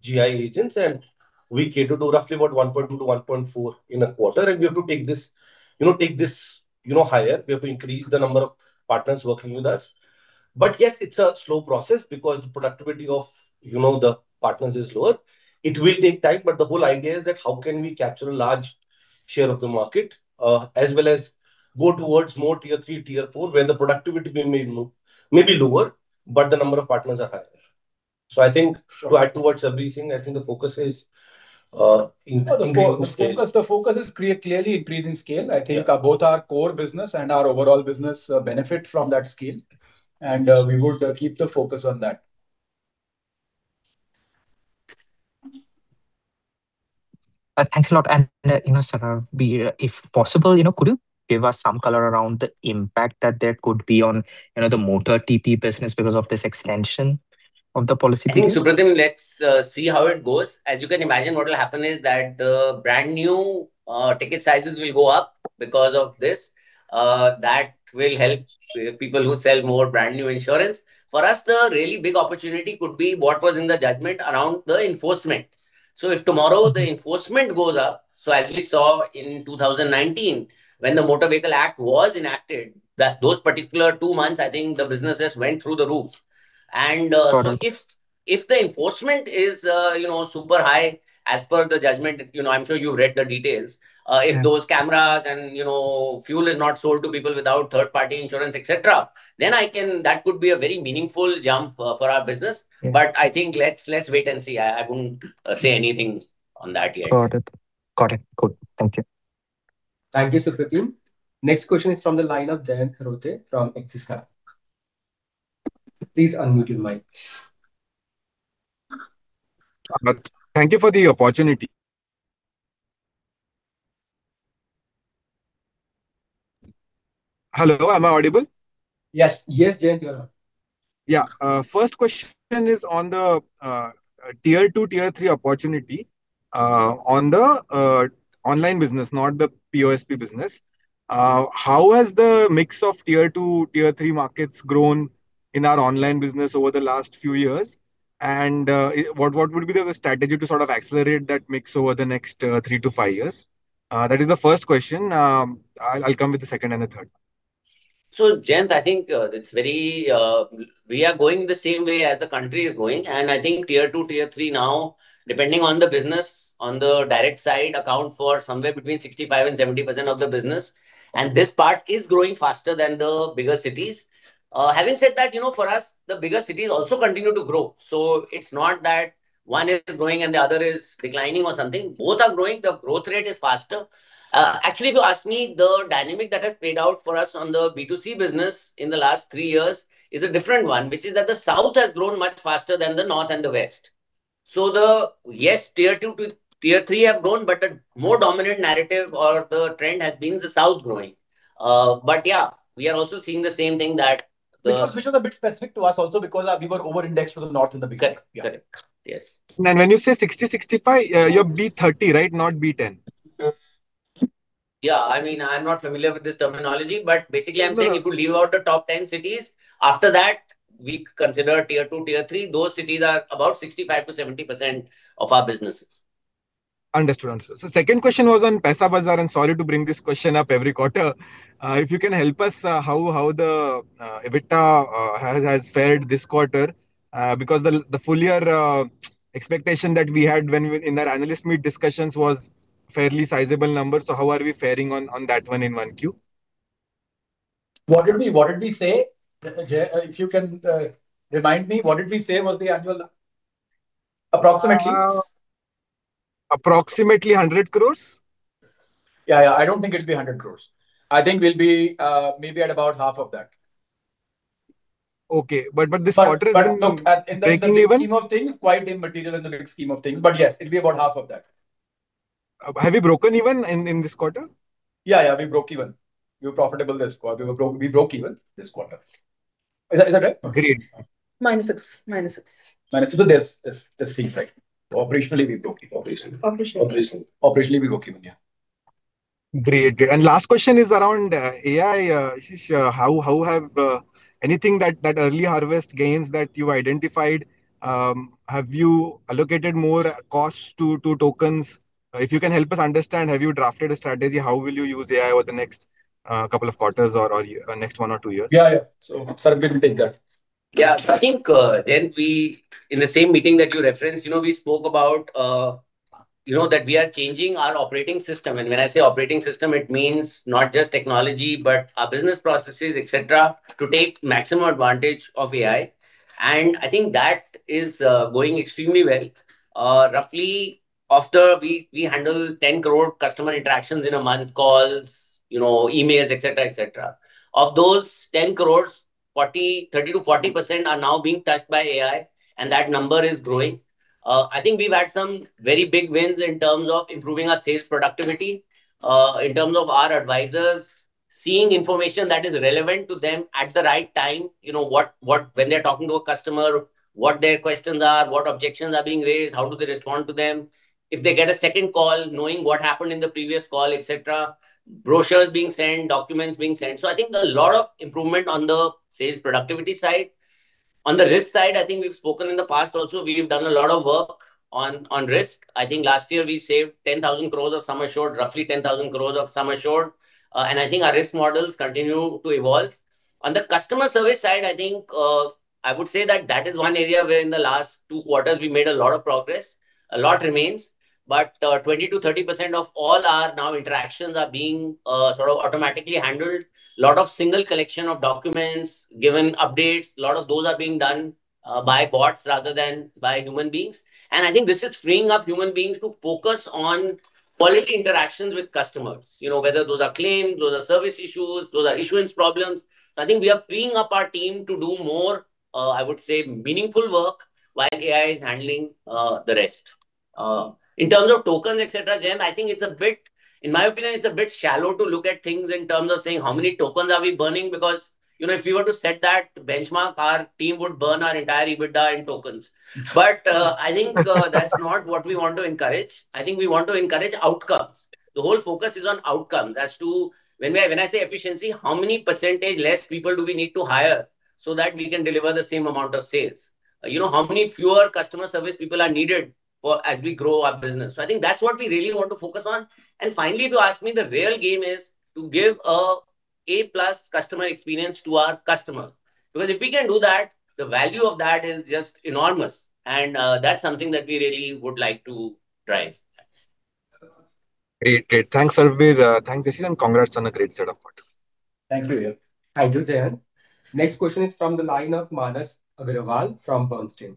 GI agents, and we cater to roughly about 1.2-1.4 in a quarter. We have to take this higher. We have to increase the number of partners working with us. Yes, it is a slow process because the productivity of the partners is lower. It will take time, but the whole idea is that how can we capture a large share of the market, as well as go towards more Tier 3, Tier 4, where the productivity may be lower, but the number of partners are higher. I think to add towards everything, I think the focus is increasing scale. The focus is clearly increasing scale. I think both our core business and our overall business benefit from that scale, and we would keep the focus on that. Thanks a lot. Sarbvir, if possible, could you give us some color around the impact that there could be on the motor TP business because of this extension of the policy? I think, Sukrit, let's see how it goes. As you can imagine, what will happen is that the brand new ticket sizes will go up because of this. That will help people who sell more brand-new insurance. For us, the really big opportunity could be what was in the judgment around the enforcement. If tomorrow the enforcement goes up, as we saw in 2019, when the Motor Vehicle Act was enacted, those particular two months, I think the businesses went through the roof. Got it. If the enforcement is super high as per the judgment, I'm sure you've read the details. If those cameras and fuel is not sold to people without third-party insurance, et cetera, then that could be a very meaningful jump for our business. I think let's wait and see. I wouldn't say anything on that yet. Got it. Good. Thank you. Thank you, Sukrit. Next question is from the line of Jayant Kharote from Axis Capital. Please unmute your mic. Thank you for the opportunity. Hello, am I audible? Yes. Yes, Jayant, you are. Yeah. First question is on the Tier 2, Tier 3 opportunity on the online business, not the POSP business. How has the mix of Tier 2, Tier 3 markets grown in our online business over the last few years? What would be the strategy to sort of accelerate that mix over the next three to five years? That is the first question. I'll come with the second and the third. Jayant, I think we are going the same way as the country is going, and I think Tier 2, Tier 3 now, depending on the business, on the direct side, account for somewhere between 65% and 70% of the business. This part is growing faster than the bigger cities. Having said that, for us, the bigger cities also continue to grow. It's not that one is growing and the other is declining or something. Both are growing. The growth rate is faster. Actually, if you ask me, the dynamic that has played out for us on the B2C business in the last three years is a different one, which is that the south has grown much faster than the north and the west. Yes, Tier 2 to Tier 3 have grown, but a more dominant narrative or the trend has been the south growing. Yeah, we are also seeing the same thing that the Which was a bit specific to us also because we were over-indexed to the north in the beginning. Correct. Yes. When you say 60, 65, you're B30, right? Not B10. Yeah. I'm not familiar with this terminology, basically I'm saying if you leave out the top 10 cities, after that, we consider Tier 2, Tier 3. Those cities are about 65%-70% of our businesses. Understood. Second question was on Paisabazaar, sorry to bring this question up every quarter. If you can help us, how the EBITDA has fared this quarter? The full year expectation that we had in our analyst meet discussions was fairly sizable numbers. How are we fairing on that 1Q? What did we say? Jayant, if you can remind me, what did we say was the annual approximately? Approximately 100 crore. Yeah. I don't think it'll be 100 crore. I think we'll be maybe at about half of that. Okay. This quarter is breaking even? Look, in the scheme of things, quite immaterial in the big scheme of things. Yes, it'll be about half of that. Have you broken even in this quarter? Yeah, we broke even. We were profitable this quarter. We broke even this quarter. Is that right? Agreed. -6. -6. This fiscal cycle. Operationally we broke even. Operationally. Operationally we broke even, yeah. Great. Last question is around AI, Yashish. Anything that early harvest gains that you identified, have you allocated more costs to tokens? If you can help us understand, have you drafted a strategy, how will you use AI over the next couple of quarters or next one or two years? Yeah. Sarbvir can take that. Yeah. I think, Jayant, in the same meeting that you referenced, we spoke about that we are changing our operating system. When I say operating system, it means not just technology, but our business processes, et cetera, to take maximum advantage of AI. I think that is going extremely well. Roughly, after we handle 10 crore customer interactions in a month, calls, emails, et cetera. Of those 10 crore, 30%-40% are now being touched by AI and that number is growing. I think we've had some very big wins in terms of improving our sales productivity. In terms of our advisors seeing information that is relevant to them at the right time. When they're talking to a customer, what their questions are, what objections are being raised, how do they respond to them. If they get a second call, knowing what happened in the previous call, et cetera. Brochures being sent, documents being sent. I think a lot of improvement on the sales productivity side. On the risk side, I think we've spoken in the past also, we've done a lot of work on risk. I think last year we saved 10,000 crore of sum assured, roughly 10,000 crore of sum assured. I think our risk models continue to evolve. On the customer service side, I think, I would say that that is one area where in the last two quarters we made a lot of progress. A lot remains, but 20%-30% of all our now interactions are being sort of automatically handled. Lot of single collection of documents, given updates, a lot of those are being done by bots rather than by human beings. I think this is freeing up human beings to focus on quality interactions with customers. Whether those are claims, those are service issues, those are issuance problems. I think we are freeing up our team to do more, I would say, meaningful work while AI is handling the rest. In terms of tokens, et cetera, Jayant, in my opinion, it's a bit shallow to look at things in terms of saying how many tokens are we burning, because, if we were to set that benchmark, our team would burn our entire EBITDA in tokens. I think that's not what we want to encourage. I think we want to encourage outcomes. The whole focus is on outcomes as to, when I say efficiency, how many percent less people do we need to hire so that we can deliver the same amount of sales? How many fewer customer service people are needed as we grow our business? I think that's what we really want to focus on. Finally, if you ask me, the real game is to give a A+ customer experience to our customer. Because if we can do that, the value of that is just enormous, and that's something that we really would like to drive. Great. Thanks, Sarbvir. Thanks, Yashish, and congrats on a great set of quarters. Thank you, Jayant. Thank you, Jayant. Next question is from the line of Manas Agrawal from Bernstein.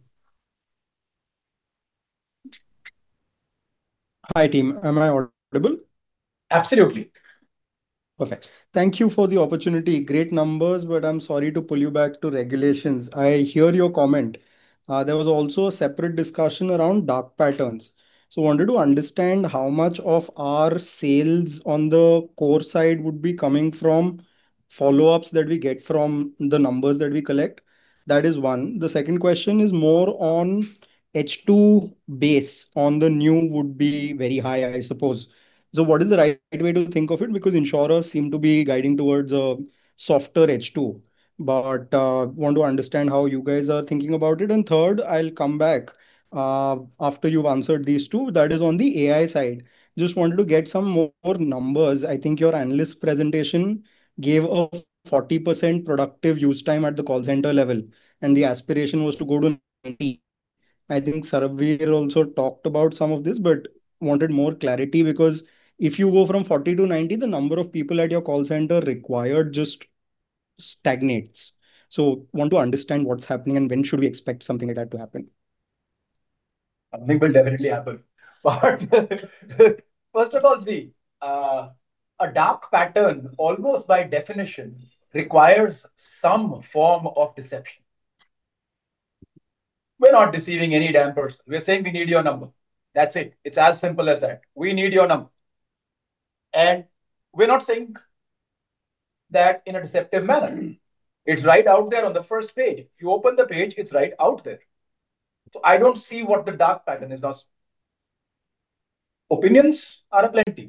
Hi, team. Am I audible? Absolutely. Perfect. Thank you for the opportunity. Great numbers. I am sorry to pull you back to regulations. I hear your comment. There was also a separate discussion around dark patterns. Wanted to understand how much of our sales on the core side would be coming from follow-ups that we get from the numbers that we collect. That is one. The second question is more on H2 base on the new would be very high, I suppose. What is the right way to think of it? Because insurers seem to be guiding towards a softer H2. Want to understand how you guys are thinking about it. Third, I will come back, after you have answered these two, that is on the AI side. Just wanted to get some more numbers. I think your analyst presentation gave a 40% productive use time at the call center level, and the aspiration was to go to 90%. I think Sarbvir also talked about some of this, wanted more clarity, because if you go from 40%-90%, the number of people at your call center required just stagnates. Want to understand what is happening and when should we expect something like that to happen. Something will definitely happen. First of all, see, a dark pattern, almost by definition, requires some form of deception. We are not deceiving any damn person. We are saying, "We need your number." That is it. It is as simple as that. "We need your number." We are not saying that in a deceptive manner. It is right out there on the first page. If you open the page, it is right out there. I do not see what the dark pattern is as. Opinions are plenty.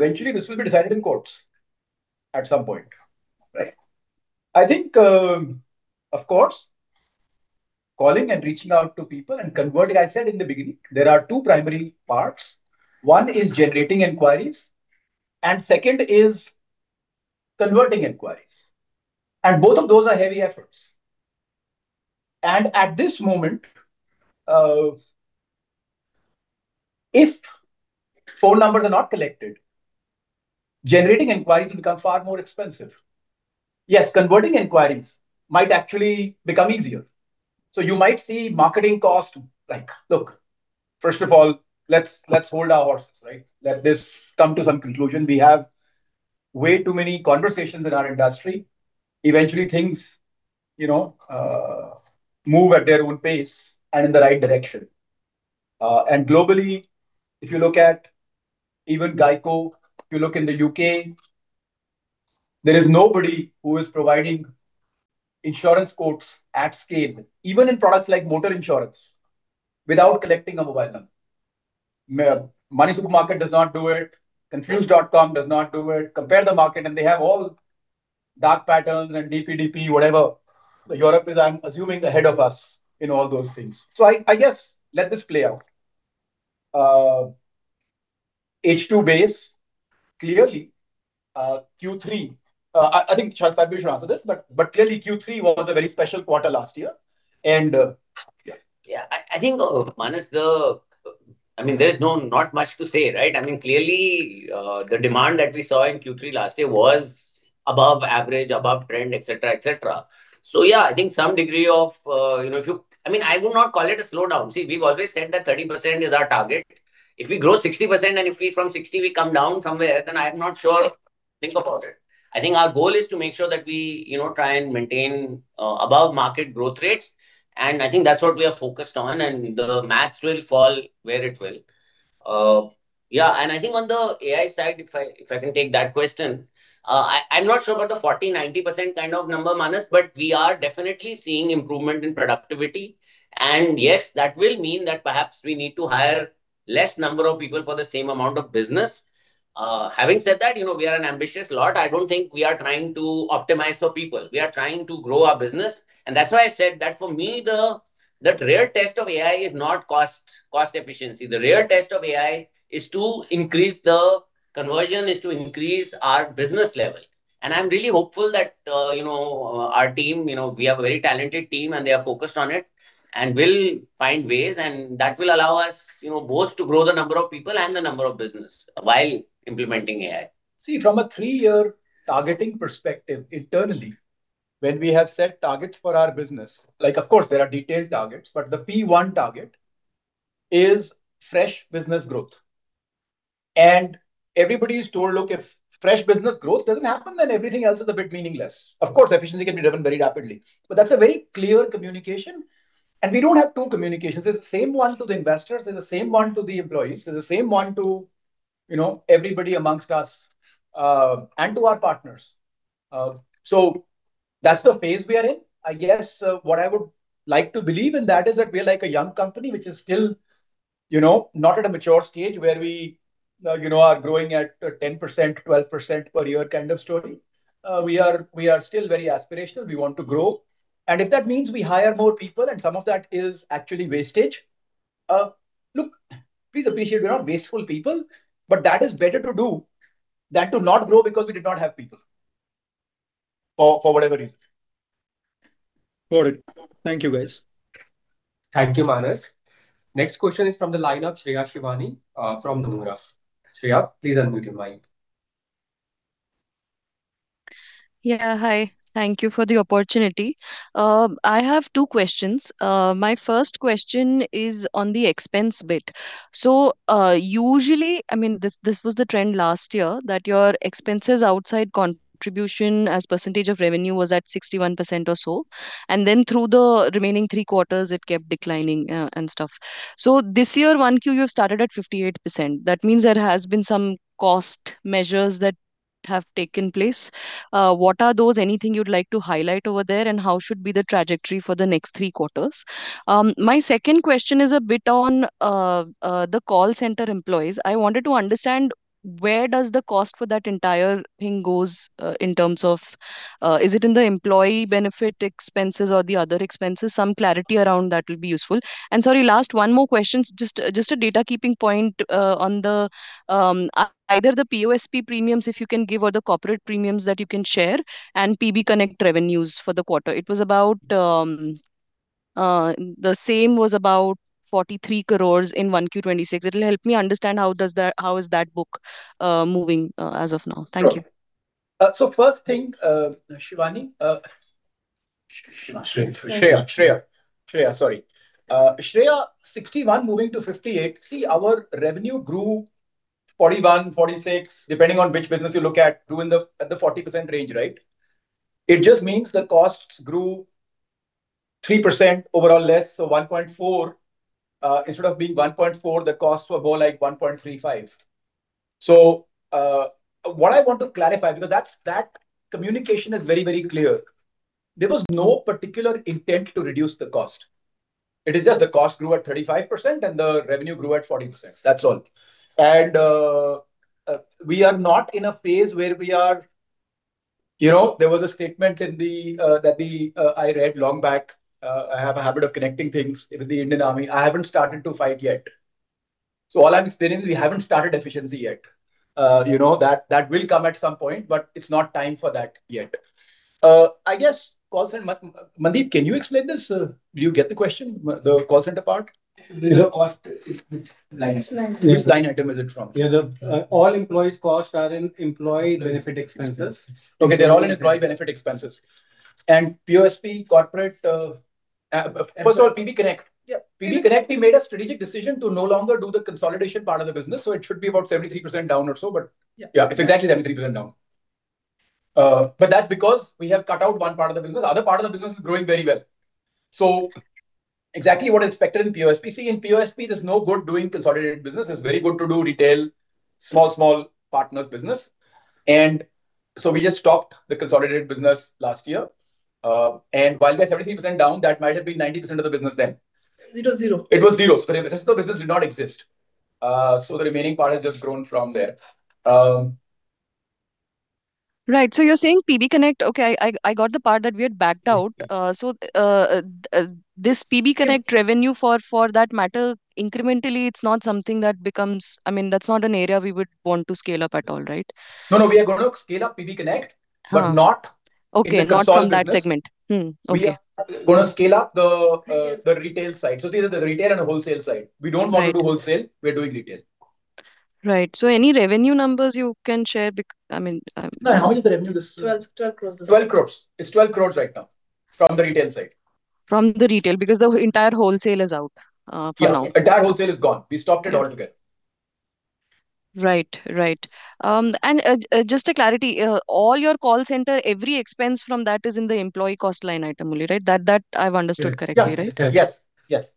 Eventually this will be decided in courts at some point. I think, of course, calling and reaching out to people and converting, I said in the beginning, there are two primary parts. One is generating inquiries, and second is converting inquiries. Both of those are heavy efforts. At this moment, if phone numbers are not collected, generating inquiries will become far more expensive. Yes, converting inquiries might actually become easier. You might see marketing. Look, first of all, let us hold our horses. Let this come to some conclusion. We have way too many conversations in our industry. Eventually things move at their own pace and in the right direction. Globally, if you look at even GEICO, if you look in the U.K., there is nobody who is providing insurance quotes at scale, even in products like motor insurance, without collecting a mobile number. MoneySuperMarket does not do it. Confused.com does not do it. Compare the Market. They have all dark patterns and DP, whatever. Europe is, I am assuming, ahead of us in all those things. I guess, let this play out. H2 base, clearly, Q3. I think, Sarbvir, perhaps you should answer this. Clearly Q3 was a very special quarter last year. Yeah. Yeah. I think, Manas, there is not much to say. Clearly, the demand that we saw in Q3 last year was above average, above trend, et cetera. Yeah, I think some degree of-- I would not call it a slowdown. We've always said that 30% is our target. If we grow 60% and if from 60% we come down somewhere, then I'm not sure, think about it. I think our goal is to make sure that we try and maintain above-market growth rates, and I think that's what we are focused on, and the maths will fall where it will. I think on the AI side, if I can take that question, I'm not sure about the 40%, 90% kind of number, Manas, but we are definitely seeing improvement in productivity. Yes, that will mean that perhaps we need to hire less number of people for the same amount of business. Having said that, we are an ambitious lot. I don't think we are trying to optimize for people. We are trying to grow our business. That's why I said that for me, the real test of AI is not cost efficiency. The real test of AI is to increase the conversion, is to increase our business level. I'm really hopeful that our team, we have a very talented team, and they are focused on it and will find ways, and that will allow us both to grow the number of people and the number of business while implementing AI. From a three-year targeting perspective, internally, when we have set targets for our business, of course, there are detailed targets. The P1 target is fresh business growth. Everybody is told, look, if fresh business growth doesn't happen, then everything else is a bit meaningless. Of course, efficiency can be driven very rapidly. That's a very clear communication, and we don't have two communications. It's the same one to the investors and the same one to the employees, and the same one to everybody amongst us, and to our partners. That's the phase we are in. I guess, what I would like to believe in that is that we are like a young company, which is still not at a mature stage where we are growing at 10%, 12% per year kind of story. We are still very aspirational. We want to grow. If that means we hire more people and some of that is actually wastage, look, please appreciate we're not wasteful people, that is better to do than to not grow because we did not have people for whatever reason. Got it. Thank you, guys. Thank you, Manas. Next question is from the line of Shreya Shivani, from Nomura. Shreya, please unmute your mic. Yeah. Hi. Thank you for the opportunity. I have two questions. My first question is on the expense bit. Usually, this was the trend last year, that your expenses outside contribution as percentage of revenue was at 61% or so. Through the remaining three quarters, it kept declining. This year, Q1, you started at 58%. That means there has been some cost measures that have taken place. What are those? Anything you'd like to highlight over there, and how should be the trajectory for the next three quarters? My second question is a bit on the call center employees. I wanted to understand where does the cost for that entire thing goes, in terms of, is it in the employee benefit expenses or the other expenses? Some clarity around that will be useful. Sorry, last one more questions. Just a data keeping point, on either the POSP premiums, if you can give, or the corporate premiums that you can share, PB Connect revenues for the quarter. The same was about 43 crore in Q1 2026. It'll help me understand how is that book moving as of now. Thank you. Sure. First thing, Shivani. Shreya. Shreya, sorry. Shreya, 61 moving to 58. Our revenue grew 41%, 46%, depending on which business you look at, grew at the 40% range. It just means the costs grew 3% overall less. Instead of being 1.4, the costs were more like 1.35. What I want to clarify, because that communication is very clear. There was no particular intent to reduce the cost. It is just the cost grew at 35% and the revenue grew at 40%. That's all. We are not in a phase where we are. There was a statement I read long back. I have a habit of connecting things with the Indian Army. I haven't started to fight yet. All I am saying is we haven't started efficiency yet. That will come at some point, but it is not time for that yet. Mandeep, can you explain this? Do you get the question, the call center part? The cost, which line item? Which line item is it from? Yeah. All employees' costs are in employee benefit expenses. Okay, they're all in employee benefit expenses. POSP corporate First of all, PB Connect. Yeah. PB Connect, we made a strategic decision to no longer do the consolidation part of the business, so it should be about 73% down or so. Yeah. Yeah. It's exactly 73% down. That's because we have cut out one part of the business. The other part of the business is growing very well. Exactly what I expected in POSP. See, in POSP, there's no good doing consolidated business. It's very good to do retail, small partners business. We just stopped the consolidated business last year. While we are 73% down, that might have been 90% of the business then. It was zero. It was zero. The rest of the business did not exist. The remaining part has just grown from there. Right. You're saying PB Connect. Okay, I got the part that we had backed out. This PB Connect revenue, for that matter, incrementally, that's not an area we would want to scale up at all, right? No, no. We are going to scale up PB Connect. Okay. Not from that segment. Okay. in the consolidated business. We are going to scale up the retail side. These are the retail and the wholesale side. We don't want to do wholesale, we're doing retail. Right. Any revenue numbers you can share? No, how much is the revenue? 12 crores. 12 crores. It's 12 crores right now from the retail side. From the retail, because the entire wholesale is out for now. Yeah. Entire wholesale is gone. We stopped it altogether. Right. Just a clarity, all your call center, every expense from that is in the employee cost line item only, right? That, I've understood correctly, right? Yeah. Yes.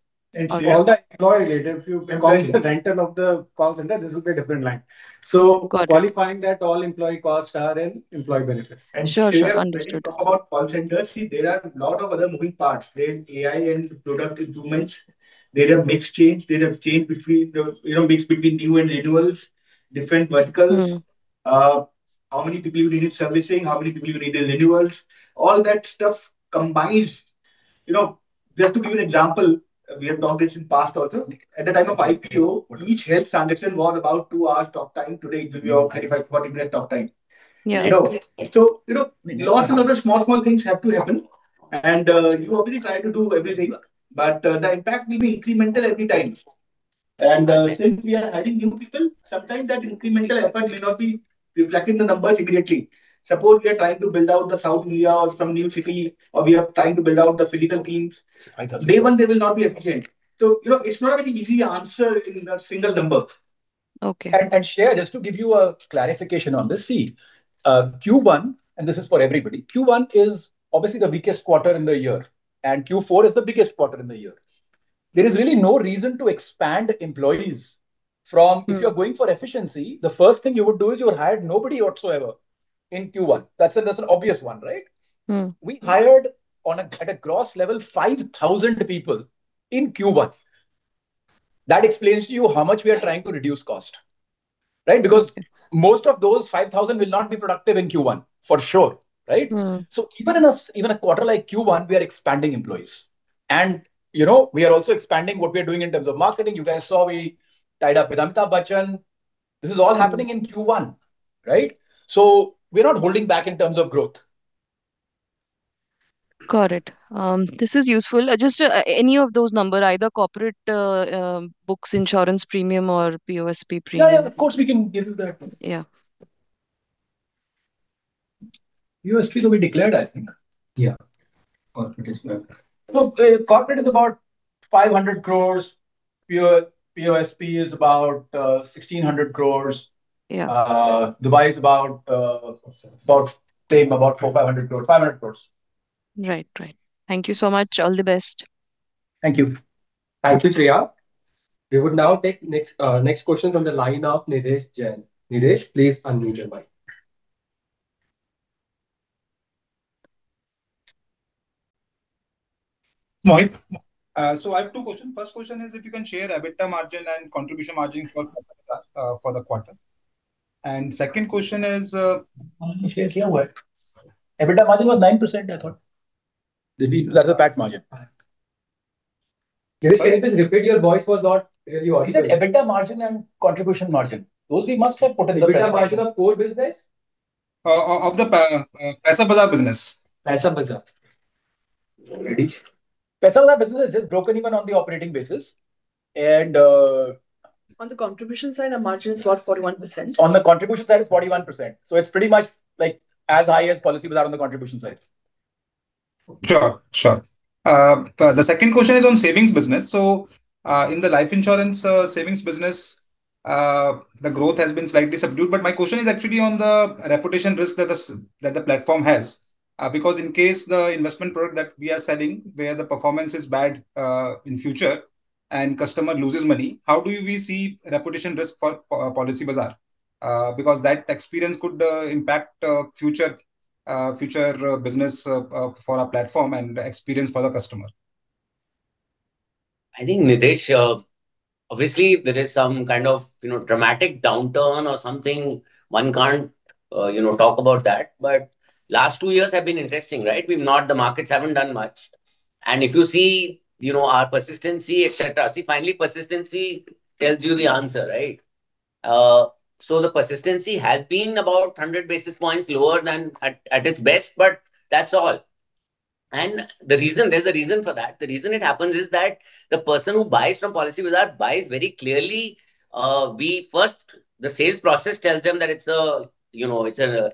All the employee related, if you call the rental of the call center, this is a different line. Got it. Qualifying that all employee costs are in employee benefit. Sure. Understood. Shreya, when you talk about call centers, see, there are a lot of other moving parts. There is AI and product instruments. There are mix change. There are change between mix between new and renewals, different verticals. How many people you need in servicing, how many people you need in renewals. All that stuff combined. Just to give you an example, we have talked this in past also. At the time of IPO, each health transaction was about two hours talk time. Today, it will be a 35, 40-minute talk time. Lots of other small things have to happen. You obviously try to do everything, but the impact will be incremental every time. Since we are adding new people, sometimes that incremental effort may not be reflecting the numbers immediately. Suppose we are trying to build out South India or some new city, or we are trying to build out the physical teams. Day one, they will not be efficient. It's not an easy answer in a single number. Okay Shreya, just to give you a clarification on this. See, Q1, and this is for everybody, Q1 is obviously the weakest quarter in the year, and Q4 is the biggest quarter in the year. There is really no reason to expand employees from, if you're going for efficiency, the first thing you would do is you would hire nobody whatsoever in Q1. That's an obvious one, right? We hired on a, at a gross level, 5,000 people in Q1. That explains to you how much we are trying to reduce cost, right? Because most of those 5,000 will not be productive in Q1, for sure, right? Even in a quarter like Q1, we are expanding employees. We are also expanding what we are doing in terms of marketing. You guys saw we tied up with Amitabh Bachchan. This is all happening in Q1, right? We're not holding back in terms of growth. Got it. This is useful. Just any of those number, either corporate books, insurance premium, or POSP premium. Yeah. Of course, we can give you that. Yeah. POSP will be declared, I think. Yeah. Corporate is declared. Corporate is about 500 crores. POSP is about 1,600 crores. Dubai is about same, about 400 crores or 500 crores. 500 crores. Right. Thank you so much. All the best. Thank you. Thank you, Shreya. We would now take next question from the line of Nidhesh Jain. Nidhesh, please unmute your mic. I have two question. First question is, if you can share EBITDA margin and contribution margin for Paisabazaar for the quarter. Second question is- EBITDA margin was 9%, I thought. That's a PAT margin. Can you please repeat, your voice was not really audible. He said EBITDA margin and contribution margin. Those he must have put in the presentation. EBITDA margin of core business? Of the Paisabazaar business. Paisabazaar. Nidhesh. Paisabazaar business is just broken even on the operating basis. On the contribution side, our margin is about 41%. On the contribution side, it's 41%. It's pretty much as high as Policybazaar on the contribution side. Sure. The second question is on savings business. In the life insurance savings business, the growth has been slightly subdued. My question is actually on the reputation risk that the platform has. In case the investment product that we are selling, where the performance is bad in future and customer loses money, how do we see reputation risk for Policybazaar? That experience could impact future business for our platform and experience for the customer. I think, Nidhesh, obviously, there is some kind of dramatic downturn or something. One can't talk about that. Last two years have been interesting, right? The markets haven't done much. If you see our persistency, et cetera. See, finally, persistency tells you the answer, right? The persistency has been about 100 basis points lower than at its best, but that's all. There's a reason for that. The reason it happens is that the person who buys from Policybazaar buys very clearly. First, the sales process tells them that it's an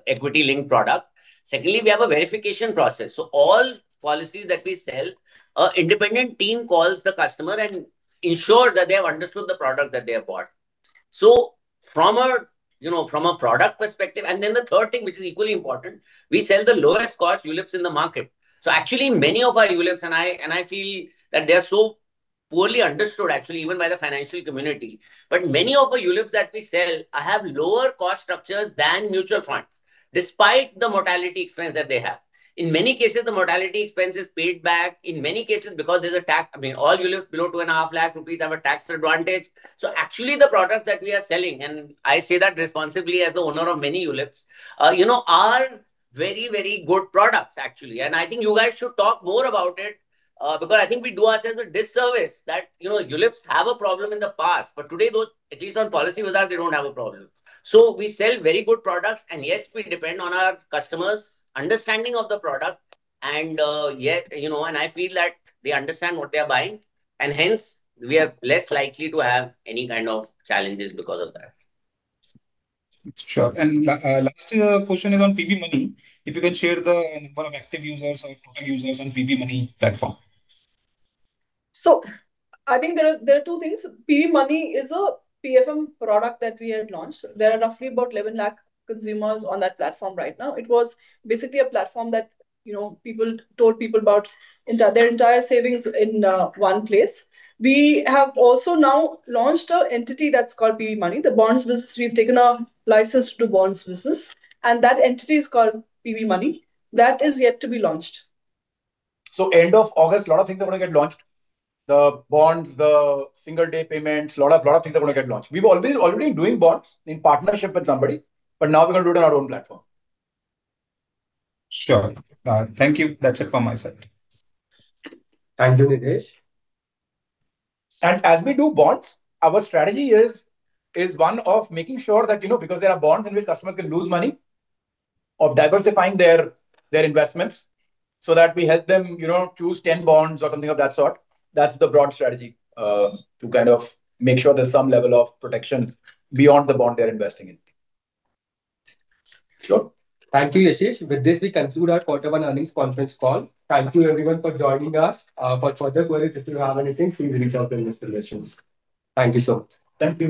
equity-linked product. Secondly, we have a verification process. All policies that we sell, our independent team calls the customer and ensures that they have understood the product that they have bought. From a product perspective. Then the third thing, which is equally important, we sell the lowest cost ULIPs in the market. Actually, many of our ULIPs, and I feel that they are so poorly understood, actually, even by the financial community. Many of our ULIPs that we sell have lower cost structures than mutual funds, despite the mortality expense that they have. In many cases, the mortality expense is paid back. In many cases, because there's a tax, I mean, all ULIPs below two and a half lakh INR have a tax advantage. Actually, the products that we are selling, and I say that responsibly as the owner of many ULIPs, are very good products, actually. I think you guys should talk more about it, because I think we do ourselves a disservice that ULIPs have a problem in the past. Today, at least on Policybazaar, they don't have a problem. We sell very good products, and yes, we depend on our customers' understanding of the product. I feel that they understand what they are buying, and hence, we are less likely to have any kind of challenges because of that. Sure. Last question is on PB Money. If you can share the number of active users or total users on PB Money platform. I think there are two things. PB Money is a PFM product that we had launched. There are roughly about 11 lakh consumers on that platform right now. It was basically a platform that people told people about their entire savings in one place. We have also now launched an entity that's called PB Money. The bonds business, we've taken our license to bonds business, and that entity is called PB Money. That is yet to be launched. End of August, a lot of things are going to get launched. The bonds, the single-day payments, a lot of things are going to get launched. We've already been doing bonds in partnership with somebody, now we're going to do it on our own platform. Sure. Thank you. That's it from my side. Thank you, Nidhesh. As we do bonds, our strategy is one of making sure that, because there are bonds in which customers can lose money, of diversifying their investments so that we help them choose 10 bonds or something of that sort. That's the broad strategy, to kind of make sure there's some level of protection beyond the bond they're investing in. Sure. Thank you, Yashish. With this, we conclude our quarter one earnings conference call. Thank you, everyone, for joining us. For further queries, if you have anything, please reach out to investor relations. Thank you so much. Thank you